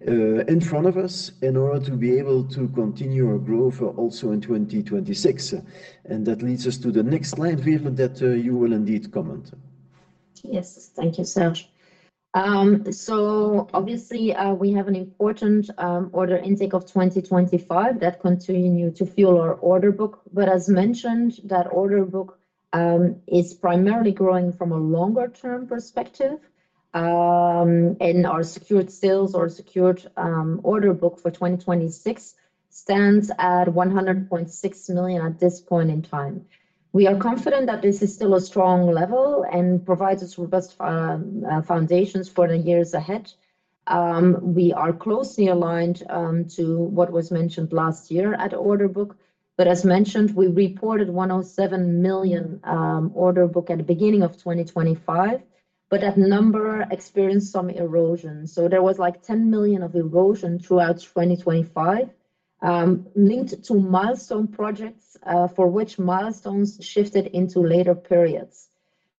in front of us in order to be able to continue our growth also in 2026. That leads us to the next slide, Veerle, that you will indeed comment. Yes. Thank you, Serge. obviously, we have an important order intake of 2025 that continue to fuel our order book. As mentioned, that order book is primarily growing from a longer-term perspective. Our secured sales or secured order book for 2026 stands at 100.6 million at this point in time. We are confident that this is still a strong level and provides us robust foundations for the years ahead. We are closely aligned to what was mentioned last year at order book. As mentioned, we reported 107 million order book at the beginning of 2025, but that number experienced some erosion. There was like 10 million of erosion throughout 2025, linked to milestone projects, for which milestones shifted into later periods.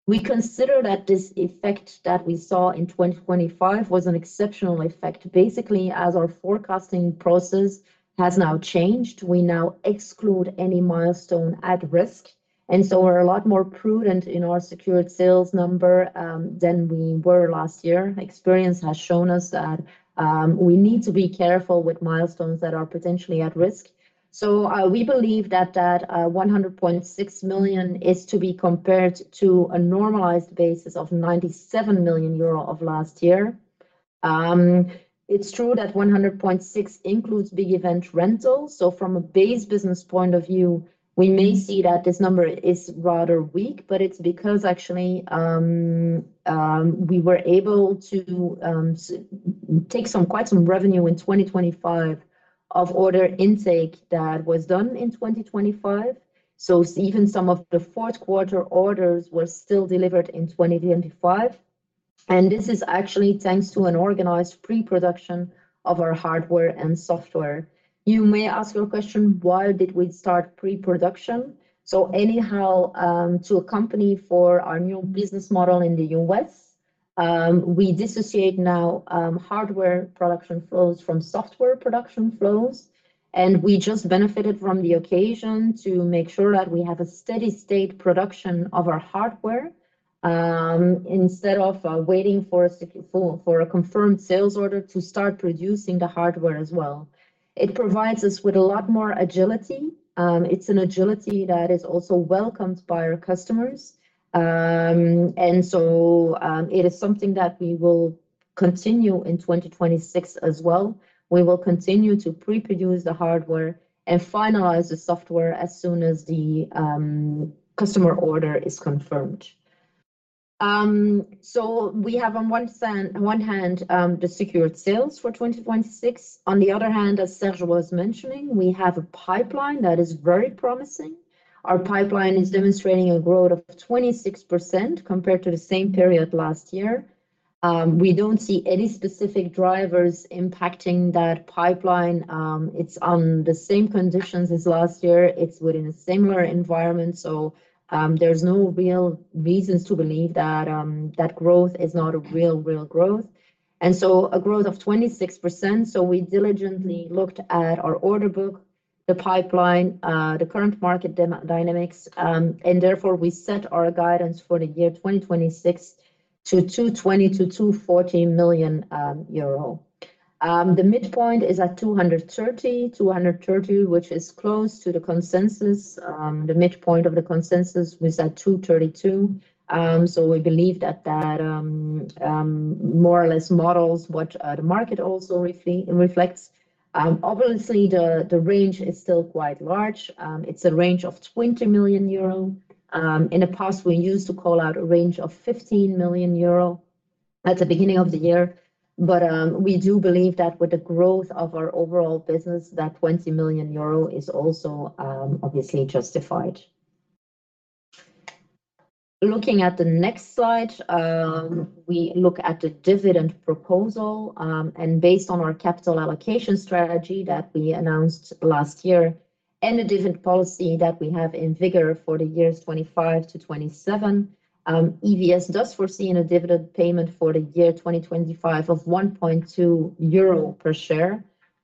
We consider that this effect that we saw in 2025 was an exceptional effect. Basically, as our forecasting process has now changed, we now exclude any milestone at risk, and so we're a lot more prudent in our secured sales number than we were last year. Experience has shown us that we need to be careful with milestones that are potentially at risk. We believe that 100.6 million is to be compared to a normalized basis of 97 million euro of last year. It's true that 100.6 includes big event rentals. From a base business point of view, we may see that this number is rather weak, but it's because actually, we were able to take quite some revenue in 2025 of order intake that was done in 2025. Even some of the fourth quarter orders were still delivered in 2025. This is actually thanks to an organized pre-production of our hardware and software. You may ask your question, why did we start pre-production? To accompany for our new business model in the U.S., we dissociate now hardware production flows from software production flows, and we just benefited from the occasion to make sure that we have a steady state production of our hardware instead of waiting for a confirmed sales order to start producing the hardware as well. It provides us with a lot more agility. It's an agility that is also welcomed by our customers. It is something that we will continue in 2026 as well. We will continue to pre-produce the hardware and finalize the software as soon as the customer order is confirmed. We have on one hand the secured sales for 2026. On the other hand, as Serge was mentioning, we have a pipeline that is very promising. Our pipeline is demonstrating a growth of 26% compared to the same period last year. We don't see any specific drivers impacting that pipeline. It's on the same conditions as last year. It's within a similar environment, so there's no real reasons to believe that that growth is not a real growth. A growth of 26%. We diligently looked at our order book, the pipeline, the current market dynamics, we set our guidance for the year 2026 to 220 million-240 million euro. The midpoint is at 230 million. 230 million, which is close to the consensus. The midpoint of the consensus was at 232 million. We believe that more or less models what the market also reflects. Obviously the range is still quite large. It's a range of 20 million euro. In the past, we used to call out a range of 15 million euro at the beginning of the year. We do believe that with the growth of our overall business, that 20 million euro is also obviously justified. Looking at the next slide, we look at the dividend proposal, and based on our capital allocation strategy that we announced last year, and the dividend policy that we have in vigor for the years 2025 to 2027, EVS does foresee in a dividend payment for the year 2025 of 1.2 euro per share.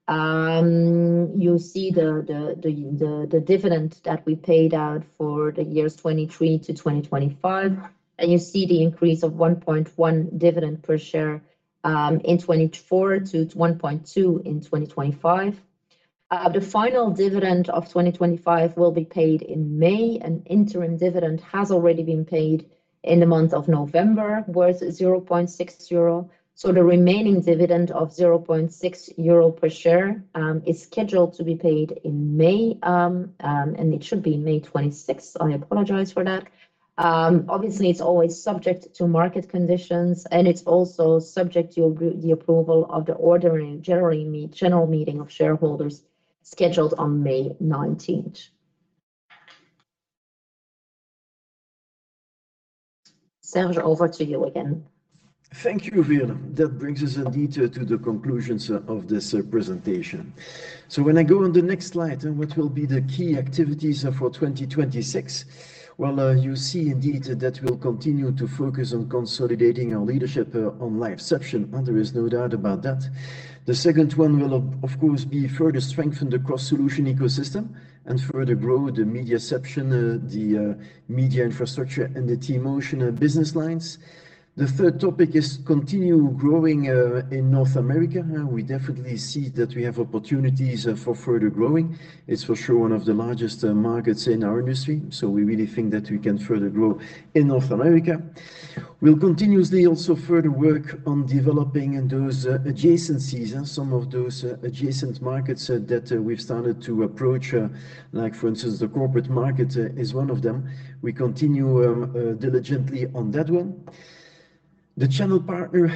You see the dividend that we paid out for the years 2023 to 2025, and you see the increase of 1.1 dividend per share, in 2024 to 1.2 in 2025. The final dividend of 2025 will be paid in May. An interim dividend has already been paid in the month of November, worth 0.6 euro. The remaining dividend of 0.6 euro per share is scheduled to be paid in May, and it should be May 26th. I apologize for that. Obviously it's always subject to market conditions, and it's also subject to the approval of the general meeting of shareholders scheduled on May 19th. Serge, over to you again. Thank you, Veerle. That brings us indeed to the conclusions of this presentation. When I go on the next slide, what will be the key activities for 2026? Well, you see indeed that we'll continue to focus on consolidating our leadership on LiveCeption. There is no doubt about that. The second one will of course be further strengthen the cross-solution ecosystem and further grow the MediaCeption, the MediaInfra, and the T-Motion business lines. The third topic is continue growing in North America. We definitely see that we have opportunities for further growing. It's for sure one of the largest markets in our industry, so we really think that we can further grow in North America. We'll continuously also further work on developing those adjacencies, some of those adjacent markets that we've started to approach, like for instance, the corporate market is one of them. We continue diligently on that one. The channel partner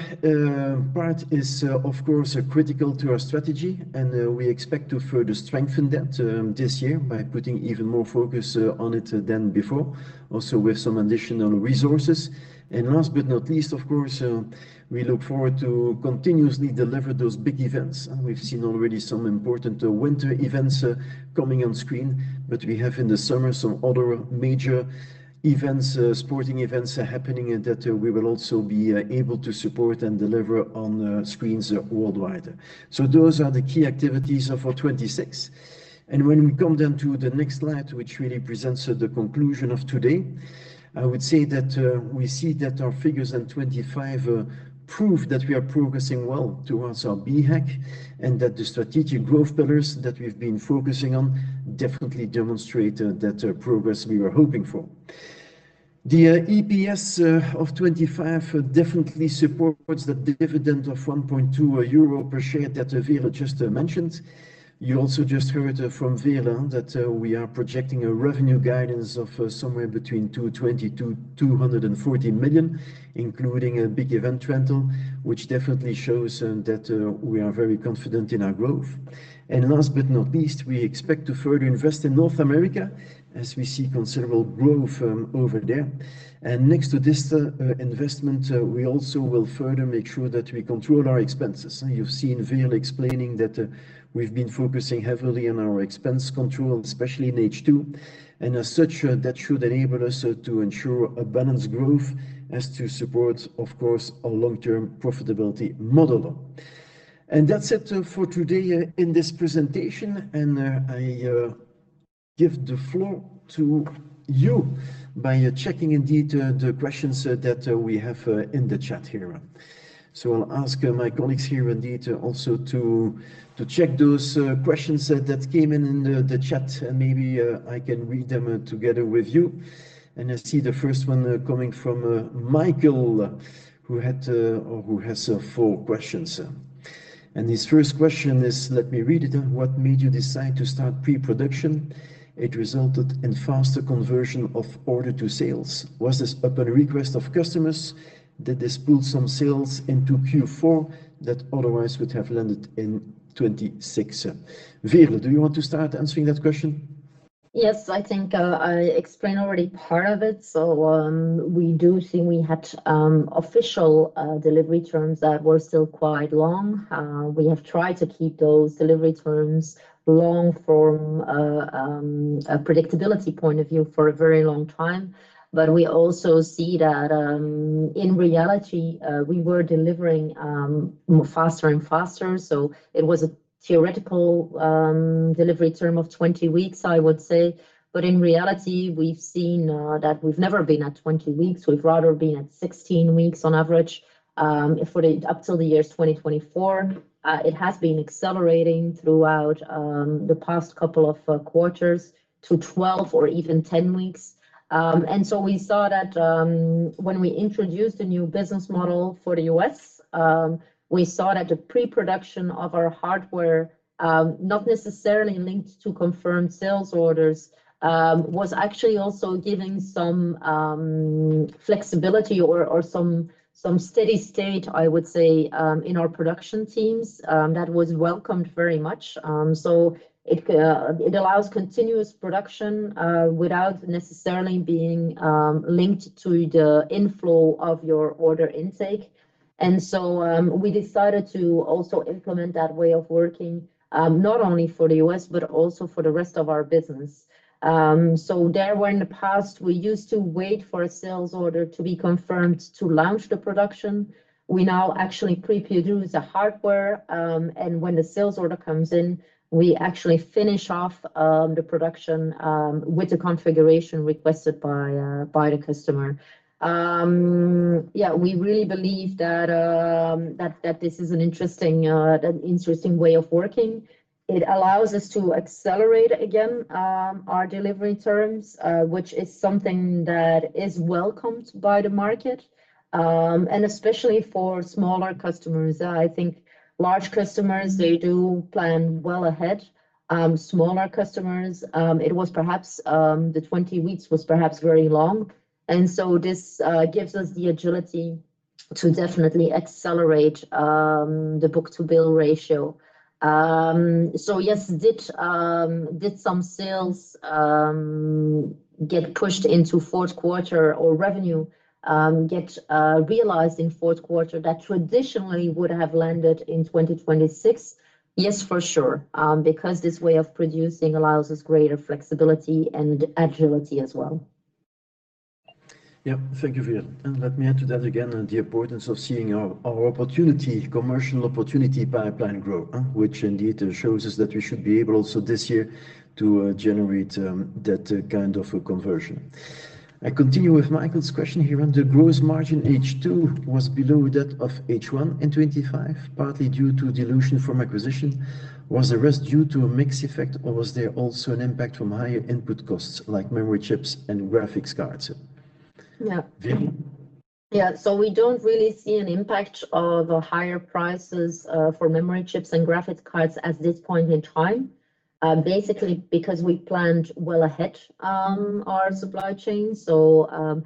part is, of course, critical to our strategy, and we expect to further strengthen that this year by putting even more focus on it than before, also with some additional resources. Last but not least, of course, we look forward to continuously deliver those big events. We've seen already some important winter events coming on screen, but we have in the summer some other major events. Sporting events are happening that we will also be able to support and deliver on screens worldwide. Those are the key activities for 2026. When we come down to the next slide, which really presents the conclusion of today, I would say that we see that our figures in 2025 prove that we are progressing well towards our BHAG. That the strategic growth pillars that we've been focusing on definitely demonstrate that progress we were hoping for. The EPS of 2025 definitely supports the dividend of 1.2 euro per share that Veerle just mentioned. You also just heard from Veerle that we are projecting a revenue guidance of somewhere between 220 million-240 million, including a big event rental, which definitely shows that we are very confident in our growth. Last but not least, we expect to further invest in North America as we see considerable growth over there. Next to this investment, we also will further make sure that we control our expenses. You've seen Veerle explaining that we've been focusing heavily on our expense control, especially in H2. As such, that should enable us to ensure a balanced growth as to support, of course, our long-term profitability model. That's it for today in this presentation. I give the floor to you by checking indeed the questions that we have in the chat here. I'll ask my colleagues here indeed also to check those questions that came in in the chat, and maybe I can read them together with you. I see the first one coming from Michael, who had or who has four questions. His first question is, let me read it. What made you decide to start pre-production? It resulted in faster conversion of order to sales. Was this upon request of customers? Did this pull some sales into Q4 that otherwise would have landed in 2026? Veerle, do you want to start answering that question? Yes, I think I explained already part of it. We do think we had official delivery terms that were still quite long. We have tried to keep those delivery terms long from a predictability point of view for a very long time. We also see that in reality, we were delivering faster and faster. It was a theoretical delivery term of 20 weeks, I would say. In reality, we've seen that we've never been at 20 weeks. We've rather been at 16 weeks on average up till the years 2024. It has been accelerating throughout the past couple of quarters to 12 or even 10 weeks. We saw that when we introduced a new business model for the US, we saw that the pre-production of our hardware, not necessarily linked to confirmed sales orders, was actually also giving some flexibility or some steady state, I would say, in our production teams that was welcomed very much. It allows continuous production without necessarily being linked to the inflow of your order intake. We decided to also implement that way of working not only for the US, but also for the rest of our business. There where in the past, we used to wait for a sales order to be confirmed to launch the production. We now actually pre-produce the hardware, and when the sales order comes in, we actually finish off the production with the configuration requested by the customer. Yeah, we really believe that this is an interesting, an interesting way of working. It allows us to accelerate again our delivery terms, which is something that is welcomed by the market, and especially for smaller customers. I think large customers, they do plan well ahead. Smaller customers, it was perhaps the 20 weeks was perhaps very long. This gives us the agility to definitely accelerate the book-to-bill ratio. Yes, did some sales get pushed into fourth quarter or revenue get realized in fourth quarter that traditionally would have landed in 2026? Yes, for sure, because this way of producing allows us greater flexibility and agility as well. Yeah. Thank you, Veerle. Let me add to that again, the importance of seeing our opportunity, commercial opportunity pipeline grow, which indeed shows us that we should be able also this year to generate that kind of a conversion. I continue with Michael's question here. The gross margin H2 was below that of H1 in 2025, partly due to dilution from acquisition. Was the rest due to a mix effect or was there also an impact from higher input costs like memory chips and graphics cards? Yeah. Veerle? We don't really see an impact of higher prices for memory chips and graphics cards at this point in time, basically because we planned well ahead our supply chain. Well,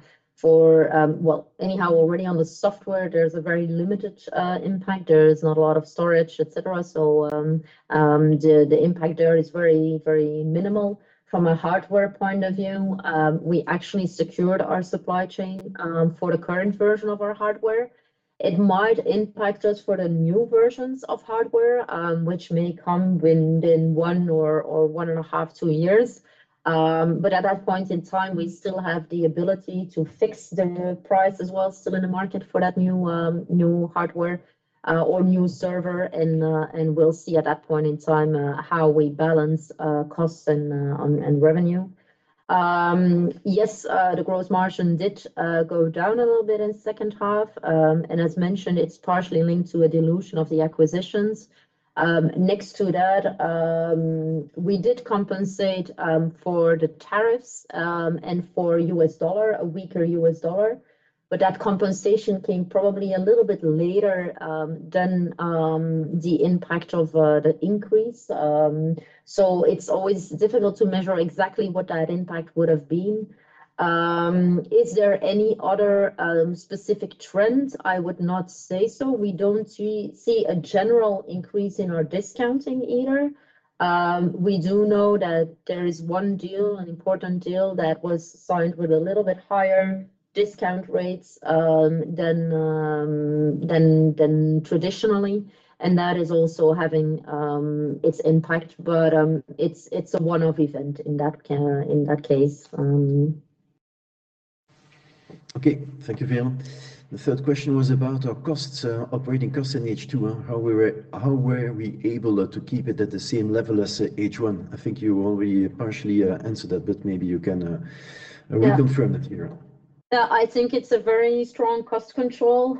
anyhow, already on the software, there's a very limited impact. There's not a lot of storage, et cetera. The impact there is very, very minimal. From a hardware point of view, we actually secured our supply chain for the current version of our hardware. It might impact us for the new versions of hardware, which may come within 1 or one and a half, 2 years. At that point in time, we still have the ability to fix the price as well, still in the market for that new new hardware or new server. We'll see at that point in time how we balance costs and revenue. Yes, the gross margin did go down a little bit in second half. As mentioned, it's partially linked to a dilution of the acquisitions. Next to that, we did compensate for the tariffs and for U.S. dollar, a weaker U.S. dollar, that compensation came probably a little bit later than the impact of the increase. It's always difficult to measure exactly what that impact would have been. Is there any other specific trends? I would not say so. We don't see a general increase in our discounting either. We do know that there is one deal, an important deal that was signed with a little bit higher discount rates than traditionally, and that is also having its impact. It's a one-off event in that case. Okay. Thank you, Veerle. The third question was about our costs, operating costs in H2. How were we able to keep it at the same level as H1? I think you already partially answered that, but maybe you can. Yeah. Reconfirm that, Veerle. Yeah. I think it's a very strong cost control.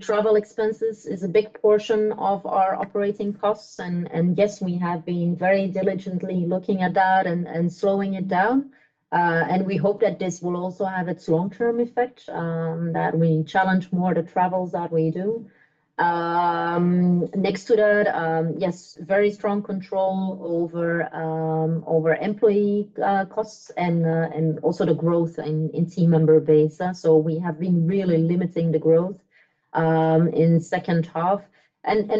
Travel expenses is a big portion of our operating costs, and yes, we have been very diligently looking at that and slowing it down. We hope that this will also have its long-term effect, that we challenge more the travels that we do. Next to that, yes, very strong control over employee costs and also the growth in team member base. We have been really limiting the growth in second half.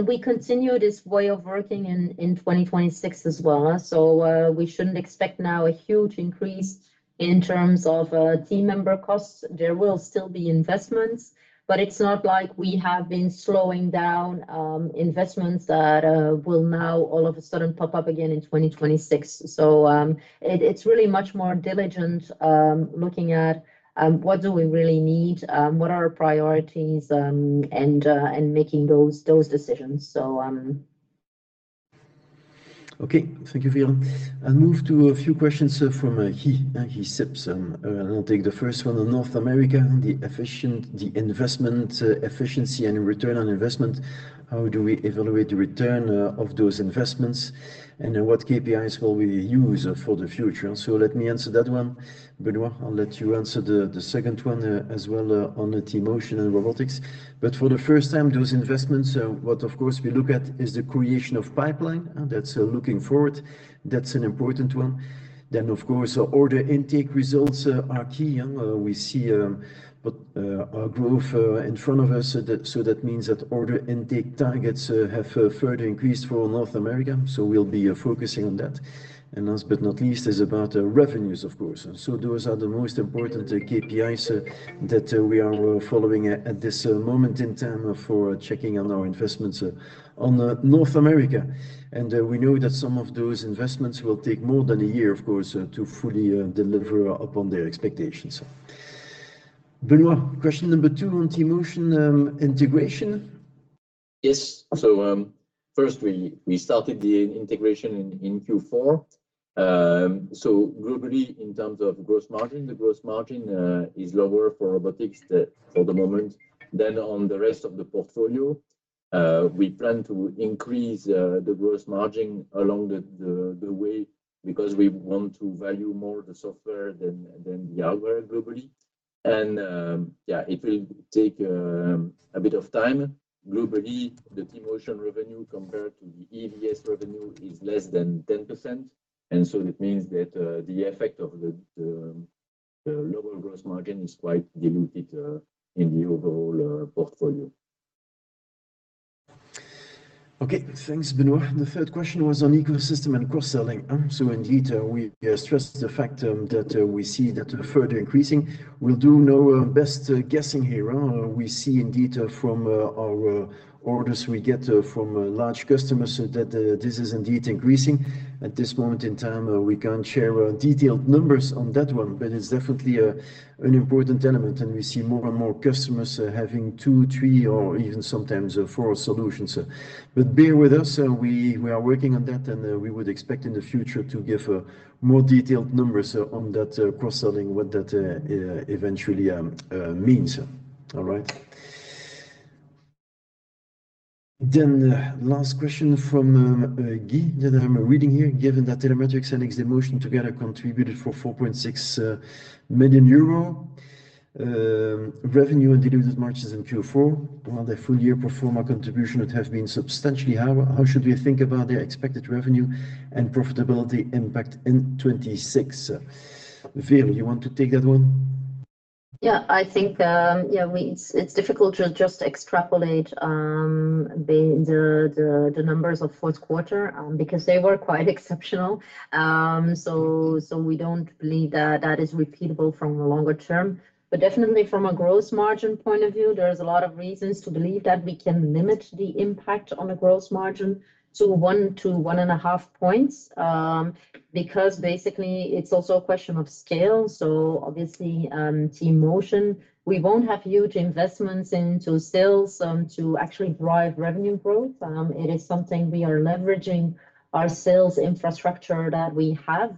We continue this way of working in 2026 as well. We shouldn't expect now a huge increase in terms of team member costs. There will still be investments, but it's not like we have been slowing down, investments that will now all of a sudden pop up again in 2026. It, it's really much more diligent, looking at, what do we really need, what are our priorities, and making those decisions. So... Thank you, Veerle. I'll move to a few questions from Guy Sips. I'll take the first one on North America, the investment efficiency and return on investment. How do we evaluate the return of those investments, and what KPIs will we use for the future? Let me answer that one. Benoît, I'll let you answer the second one as well on the T-Motion and robotics. For the first time, those investments, what of course we look at is the creation of pipeline. That's looking forward. That's an important one. Of course, order intake results are key. We see what our growth in front of us. That means that order intake targets have further increased for North America. We'll be focusing on that. Last but not least is about revenues, of course. Those are the most important KPIs that we are following at this moment in time for checking on our investments on North America. We know that some of those investments will take more than a year, of course, to fully deliver upon their expectations. Benoît, question number two on T-Motion integration. Yes. First we started the integration in Q4. Globally, in terms of gross margin, the gross margin is lower for robotics for the moment. On the rest of the portfolio, we plan to increase the gross margin along the way because we want to value more the software than the hardware globally. Yeah, it will take a bit of time. Globally, the T-Motion revenue compared to the EVS revenue is less than 10%, it means that the effect of the lower gross margin is quite diluted in the overall portfolio. Thanks, Benoît. The third question was on ecosystem and cross-selling. So indeed, we stress the fact that we see that further increasing. We'll do no best guessing here. We see indeed from our orders we get from large customers that this is indeed increasing. At this moment in time, we can't share detailed numbers on that one, but it's definitely an important element, and we see more and more customers having two, three, or even sometimes four solutions. But bear with us. We are working on that, and we would expect in the future to give more detailed numbers on that cross-selling, what that eventually means. Then last question from Guy that I'm reading here. Given that Telemetrics and XD Motion together contributed for 4.6 million euro revenue and diluted margins in Q4, while their full year pro forma contribution would have been substantially higher, how should we think about their expected revenue and profitability impact in 2026? Veerle, you want to take that one? I think, yeah, it's difficult to just extrapolate the numbers of fourth quarter because they were quite exceptional. We don't believe that that is repeatable from a longer term. Definitely from a gross margin point of view, there's a lot of reasons to believe that we can limit the impact on a gross margin to 1 to 1.5 points because basically it's also a question of scale. Obviously, T-Motion, we won't have huge investments into sales to actually drive revenue growth. It is something we are leveraging our sales infrastructure that we have.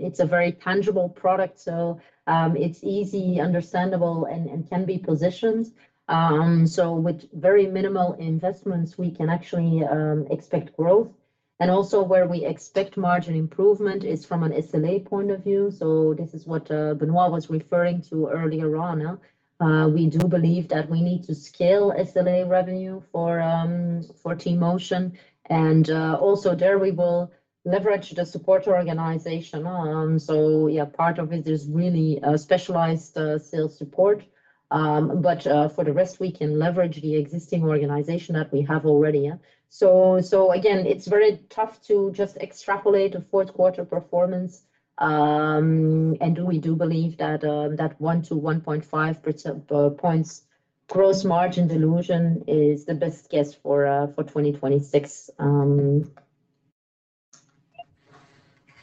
It's a very tangible product, so it's easy, understandable, and can be positioned. With very minimal investments, we can actually expect growth. Also where we expect margin improvement is from an SLA point of view. This is what Benoît was referring to earlier on. We do believe that we need to scale SLA revenue for T-Motion. Also there we will leverage the support organization. Yeah, part of it is really specialized sales support. For the rest, we can leverage the existing organization that we have already. Yeah. Again, it's very tough to just extrapolate a fourth quarter performance. We do believe that 1 to 1.5 percentage points gross margin dilution is the best guess for 2026.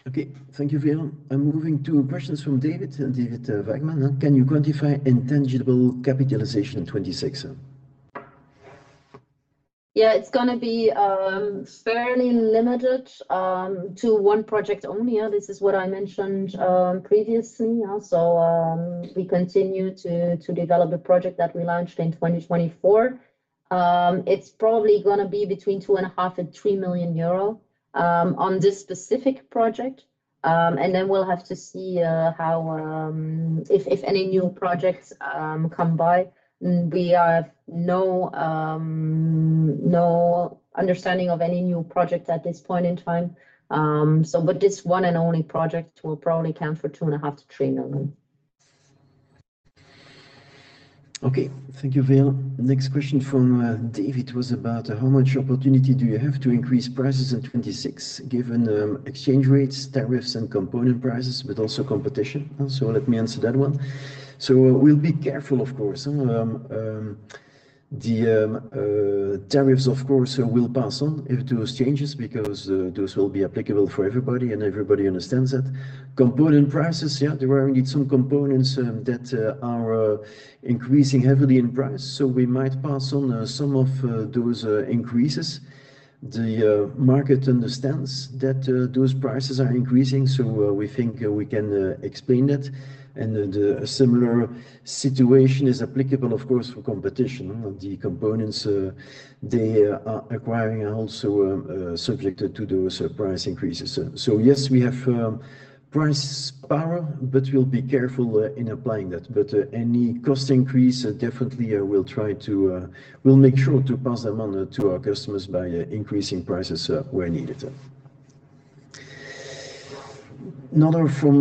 Okay. Thank you, Veerle. I'm moving to questions from David Vagman. Can you quantify intangible capitalization in 2026? Yeah. It's gonna be fairly limited to one project only. This is what I mentioned previously. We continue to develop a project that we launched in 2024. It's probably gonna be between two and a half million EUR and 3 million euro on this specific project. We'll have to see how if any new projects come by. We have no understanding of any new project at this point in time. This one and only project will probably count for 2.5 million EUR-3 million EUR. Okay. Thank you, Veerle. Next question from David was about how much opportunity do you have to increase prices in 2026 given exchange rates, tariffs and component prices, but also competition? Let me answer that one. We'll be careful of course. The tariffs of course will pass on if those changes because those will be applicable for everybody, and everybody understands that. Component prices, yeah, there are indeed some components that are increasing heavily in price. We might pass on some of those increases. The market understands that those prices are increasing, so we think we can explain that. The similar situation is applicable of course for competition. The components they are acquiring also subjected to those price increases. Yes, we have price power, but we'll be careful in applying that. Any cost increase, definitely we'll try to, we'll make sure to pass them on to our customers by increasing prices where needed. Another from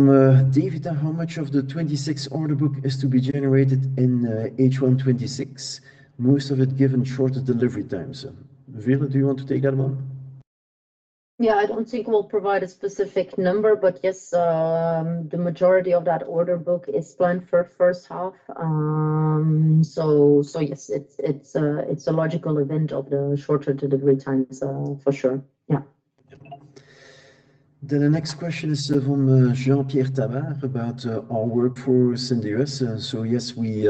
David. How much of the 2026 order book is to be generated in H1 2026, most of it given shorter delivery times? Veerle, do you want to take that one? I don't think we'll provide a specific number. Yes, the majority of that order book is planned for first half. Yes, it's a logical event of the shorter delivery times, for sure. The next question is from Jean-Pierre Tabart about our workforce in the U.S. Yes, we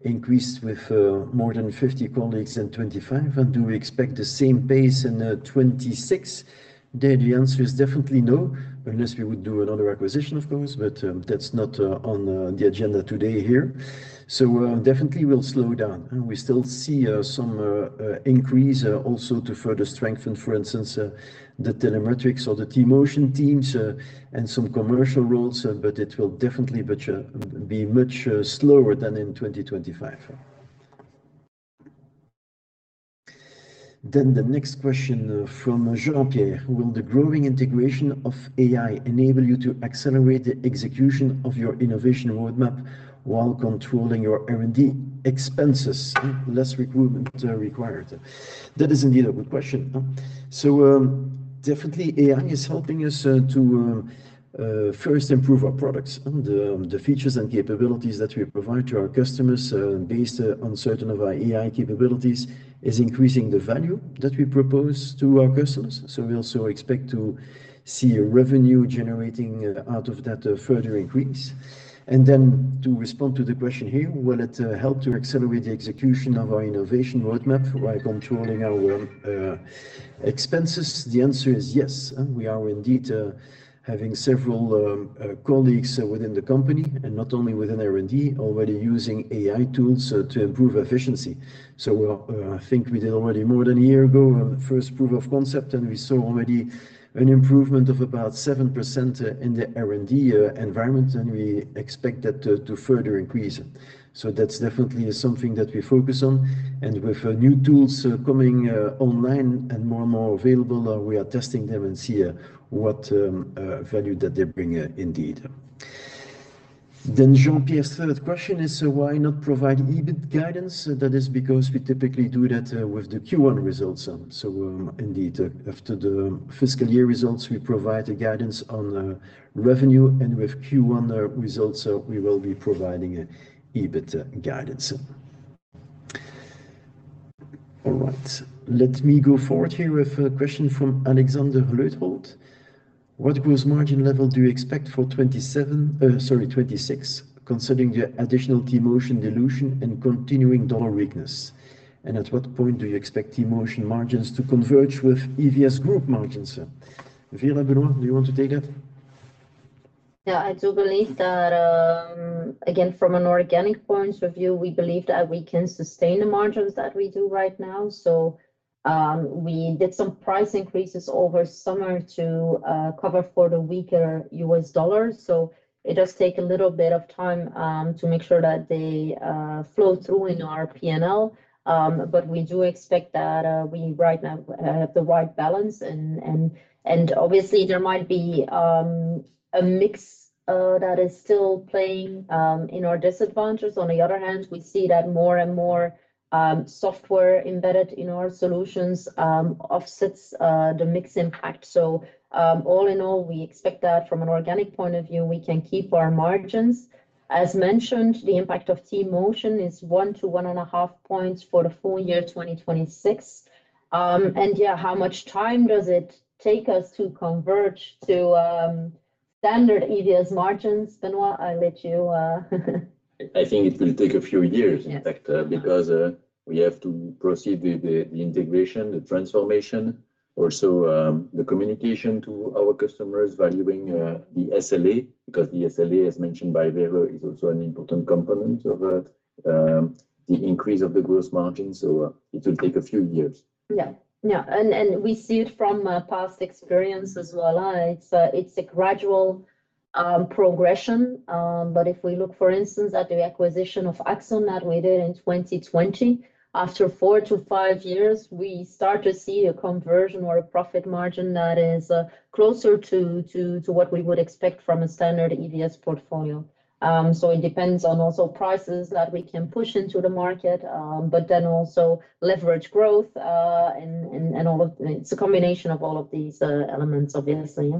increased with more than 50 colleagues in 2025. Do we expect the same pace in 2026? There the answer is definitely no, unless we would do another acquisition, of course, but that's not on the agenda today here. Definitely we'll slow down. We still see some increase also to further strengthen, for instance, the Telemetrics or the T-Motion teams and some commercial roles, but it will definitely be much slower than in 2025. The next question from Jean-Pierre. Will the growing integration of AI enable you to accelerate the execution of your innovation roadmap while controlling your R&D expenses? Less recruitment required. That is indeed a good question. Definitely AI is helping us to first improve our products and the features and capabilities that we provide to our customers, based on certain of our AI capabilities, is increasing the value that we propose to our customers. We also expect to see a revenue generating out of that further increase. To respond to the question here, will it help to accelerate the execution of our innovation roadmap while controlling our expenses? The answer is yes. We are indeed having several colleagues within the company, and not only within R&D, already using AI tools to improve efficiency. I think we did already more than a year ago, first proof of concept, and we saw already an improvement of about 7%, in the R&D environment, and we expect that to further increase. That's definitely something that we focus on. With new tools coming online and more and more available, we are testing them and see what value that they bring, indeed. Jean-Pierre's third question is, why not provide EBIT guidance? That is because we typically do that with the Q1 results. Indeed, after the fiscal year results, we provide a guidance on the revenue. With Q1 results, we will be providing an EBIT guidance. All right. Let me go forward here with a question from Alexander Leuthold. What gross margin level do you expect for 2027, sorry, 2026, considering the additional T-Motion dilution and continuing dollar weakness? At what point do you expect T-Motion margins to converge with EVS Group margins? Veerle, Benoît, do you want to take that? Yeah. I do believe that, again, from an organic point of view, we believe that we can sustain the margins that we do right now. We did some price increases over summer to cover for the weaker U.S. dollar. It does take a little bit of time to make sure that they flow through in our P&L. We do expect that we right now have the right balance. Obviously there might be a mix that is still playing in our disadvantages. On the other hand, we see that more and more software embedded in our solutions offsets the mix impact. All in all, we expect that from an organic point of view, we can keep our margins. As mentioned, the impact of T-Motion is 1-1.5 points for the full year 2026. Yeah, how much time does it take us to converge to Standard EVS margins. Benoît, I'll let you... I think it will take a few years, in fact, because we have to proceed with the integration, the transformation, also, the communication to our customers valuing, the SLA. The SLA, as mentioned by Veerle, is also an important component of the increase of the gross margin. It will take a few years. Yeah. Yeah. We see it from past experience as well, it's a gradual progression. If we look, for instance, at the acquisition of Axon that we did in 2020, after 4-5 years, we start to see a conversion or a profit margin that is closer to what we would expect from a standard EVS portfolio. It depends on also prices that we can push into the market, but then also leverage growth. It's a combination of all of these elements, obviously,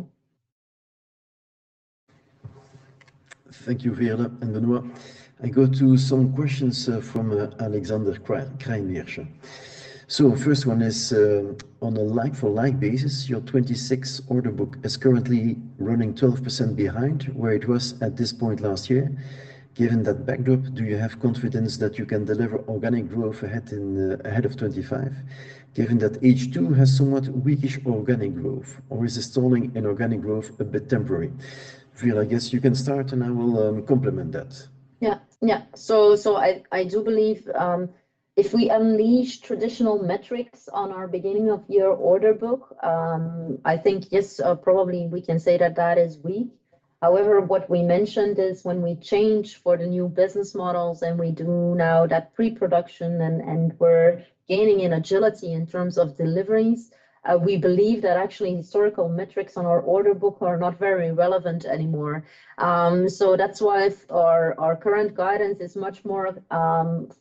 yeah. Thank you, Veerle and Benoît. I go to some questions from Alexander Craeymeersch. First one is, on a like for like basis, your 2026 order book is currently running 12% behind where it was at this point last year. Given that backdrop, do you have confidence that you can deliver organic growth ahead in ahead of 2025, given that H2 has somewhat weak-ish organic growth? Or is the stalling in organic growth a bit temporary? Veerle, I guess you can start, and I will complement that. I do believe, if we unleash traditional metrics on our beginning of year order book, I think yes, probably we can say that that is weak. However, what we mentioned is when we change for the new business models and we do now that pre-production and we're gaining in agility in terms of deliveries, we believe that actually historical metrics on our order book are not very relevant anymore. That's why our current guidance is much more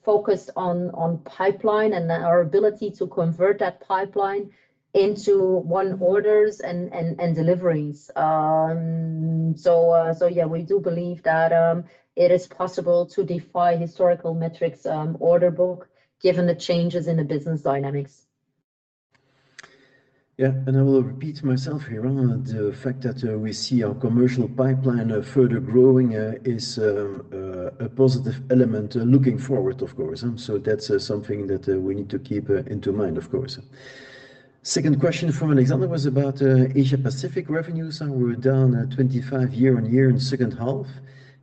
focused on pipeline and our ability to convert that pipeline into won orders and deliveries. We do believe that it is possible to defy historical metrics, order book given the changes in the business dynamics. Yeah. I will repeat myself here on the fact that we see our commercial pipeline further growing is a positive element looking forward, of course. That's something that we need to keep into mind, of course. Second question from Alexander was about Asia Pacific revenues, and we were down 25% year-on-year in second half,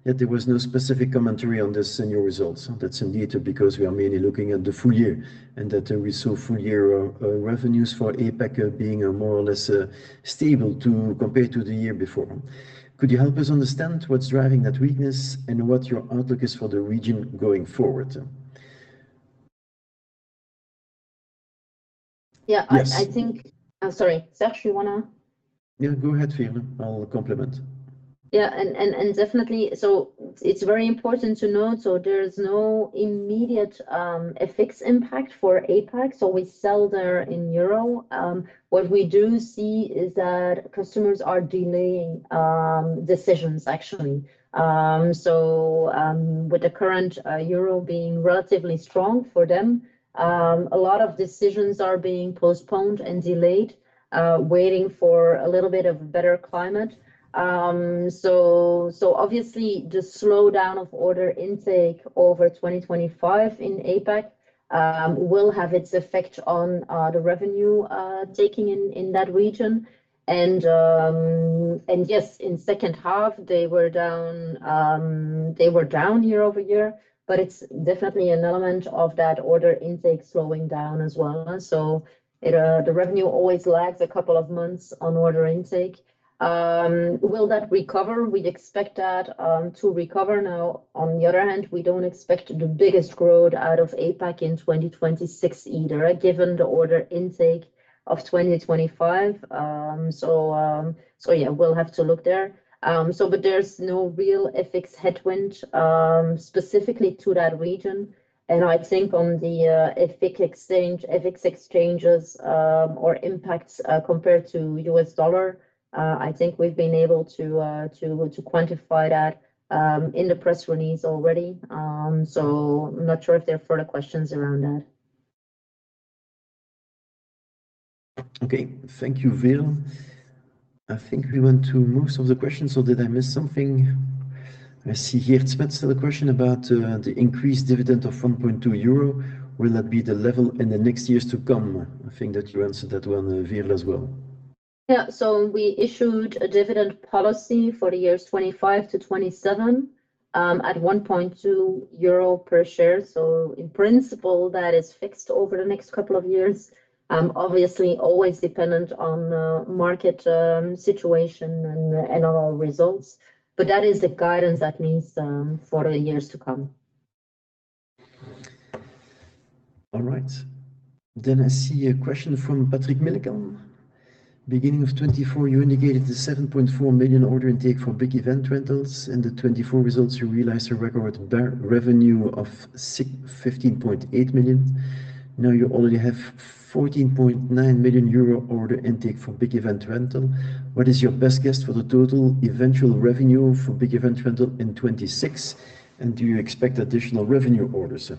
yet there was no specific commentary on this in your results. That's indeed because we are mainly looking at the full year and that we saw full year revenues for APAC being more or less stable to... compared to the year before. Could you help us understand what's driving that weakness and what your outlook is for the region going forward? Yeah. Yes. I think. I'm sorry. Serge, you wanna? Yeah, go ahead, Veerle. I'll complement. Definitely, it's very important to note, there is no immediate FX impact for APAC, so we sell there in EUR. What we do see is that customers are delaying decisions actually. So, with the current EUR being relatively strong for them, a lot of decisions are being postponed and delayed, waiting for a little bit of better climate. So obviously the slowdown of order intake over 2025 in APAC, will have its effect on the revenue taking in that region. Yes, in second half they were down, they were down year-over-year, but it's definitely an element of that order intake slowing down as well. The revenue always lags a couple of months on order intake. Will that recover? We'd expect that to recover. On the other hand, we don't expect the biggest growth out of APAC in 2026 either, given the order intake of 2025. We'll have to look there. There's no real FX headwind specifically to that region. I think on the FX exchanges or impacts compared to US dollar, I think we've been able to quantify that in the press release already. I'm not sure if there are further questions around that. Thank you, Veerle. I think we went through most of the questions, or did I miss something? I see here, Spence, still a question about the increased dividend of 1.2 euro. Will that be the level in the next years to come? I think that you answered that one, Veerle, as well. We issued a dividend policy for the years 2025-2027 at 1.2 euro per share. In principle, that is fixed over the next couple of years. Obviously always dependent on the market situation and our results, but that is the guidance at least for the years to come. All right. I see a question from Patrick Wellington. Beginning of 2024, you indicated the 7.4 million order intake for big event rentals. In the 2024 results, you realized a record re-revenue of 15.8 million. You already have 14.9 million euro order intake for big event rental. What is your best guess for the total eventual revenue for big event rental in 2026? Do you expect additional revenue orders?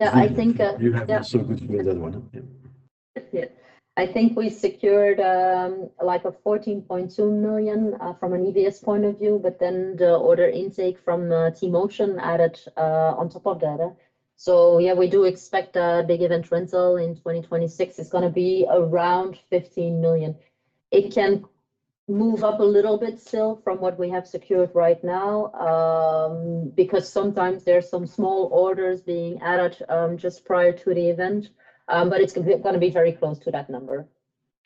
Yeah, I think. You have the solution for that one. I think we secured, like 14.2 million, from an EVS point of view. The order intake from T-Motion added on top of that. We do expect a big event rental in 2026. It's gonna be around 15 million. It can move up a little bit still from what we have secured right now, because sometimes there's some small orders being added, just prior to the event. It's gonna be very close to that number.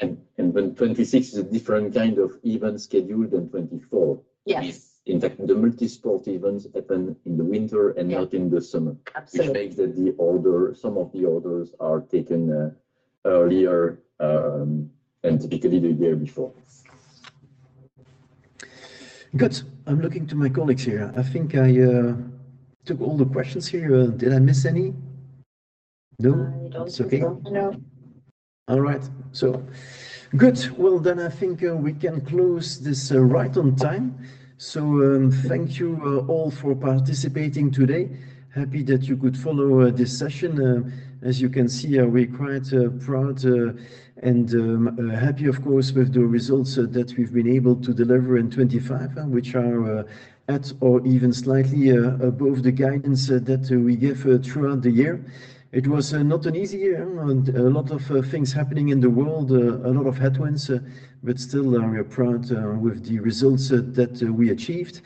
When 2026 is a different kind of event schedule than 24. Yes. In fact, the multi-sport events happen in the winter and not in the summer. Absolutely. Which makes some of the orders are taken earlier, typically the year before. Good. I'm looking to my colleagues here. I think I took all the questions here. Did I miss any? No. I don't think so, no. It's okay. All right. Good. I think, we can close this right on time. Thank you all for participating today. Happy that you could follow this session. As you can see, we are quite proud and happy of course with the results that we've been able to deliver in 2025, which are at or even slightly above the guidance that we give throughout the year. It was not an easy year and a lot of things happening in the world, a lot of headwinds, still, we are proud with the results that we achieved.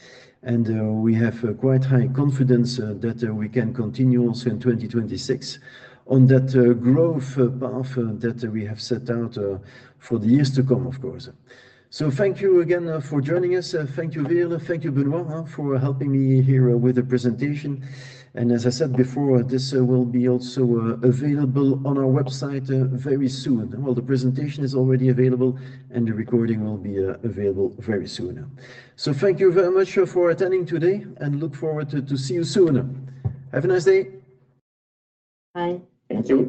We have quite high confidence that we can continue also in 2026 on that growth path that we have set out for the years to come, of course. Thank you again for joining us. Thank you Veerle, thank you Benoît, for helping me here with the presentation. As I said before, this will be also available on our website very soon. The presentation is already available, and the recording will be available very soon. Thank you very much for attending today, and look forward to see you soon. Have a nice day. Bye. Thank you.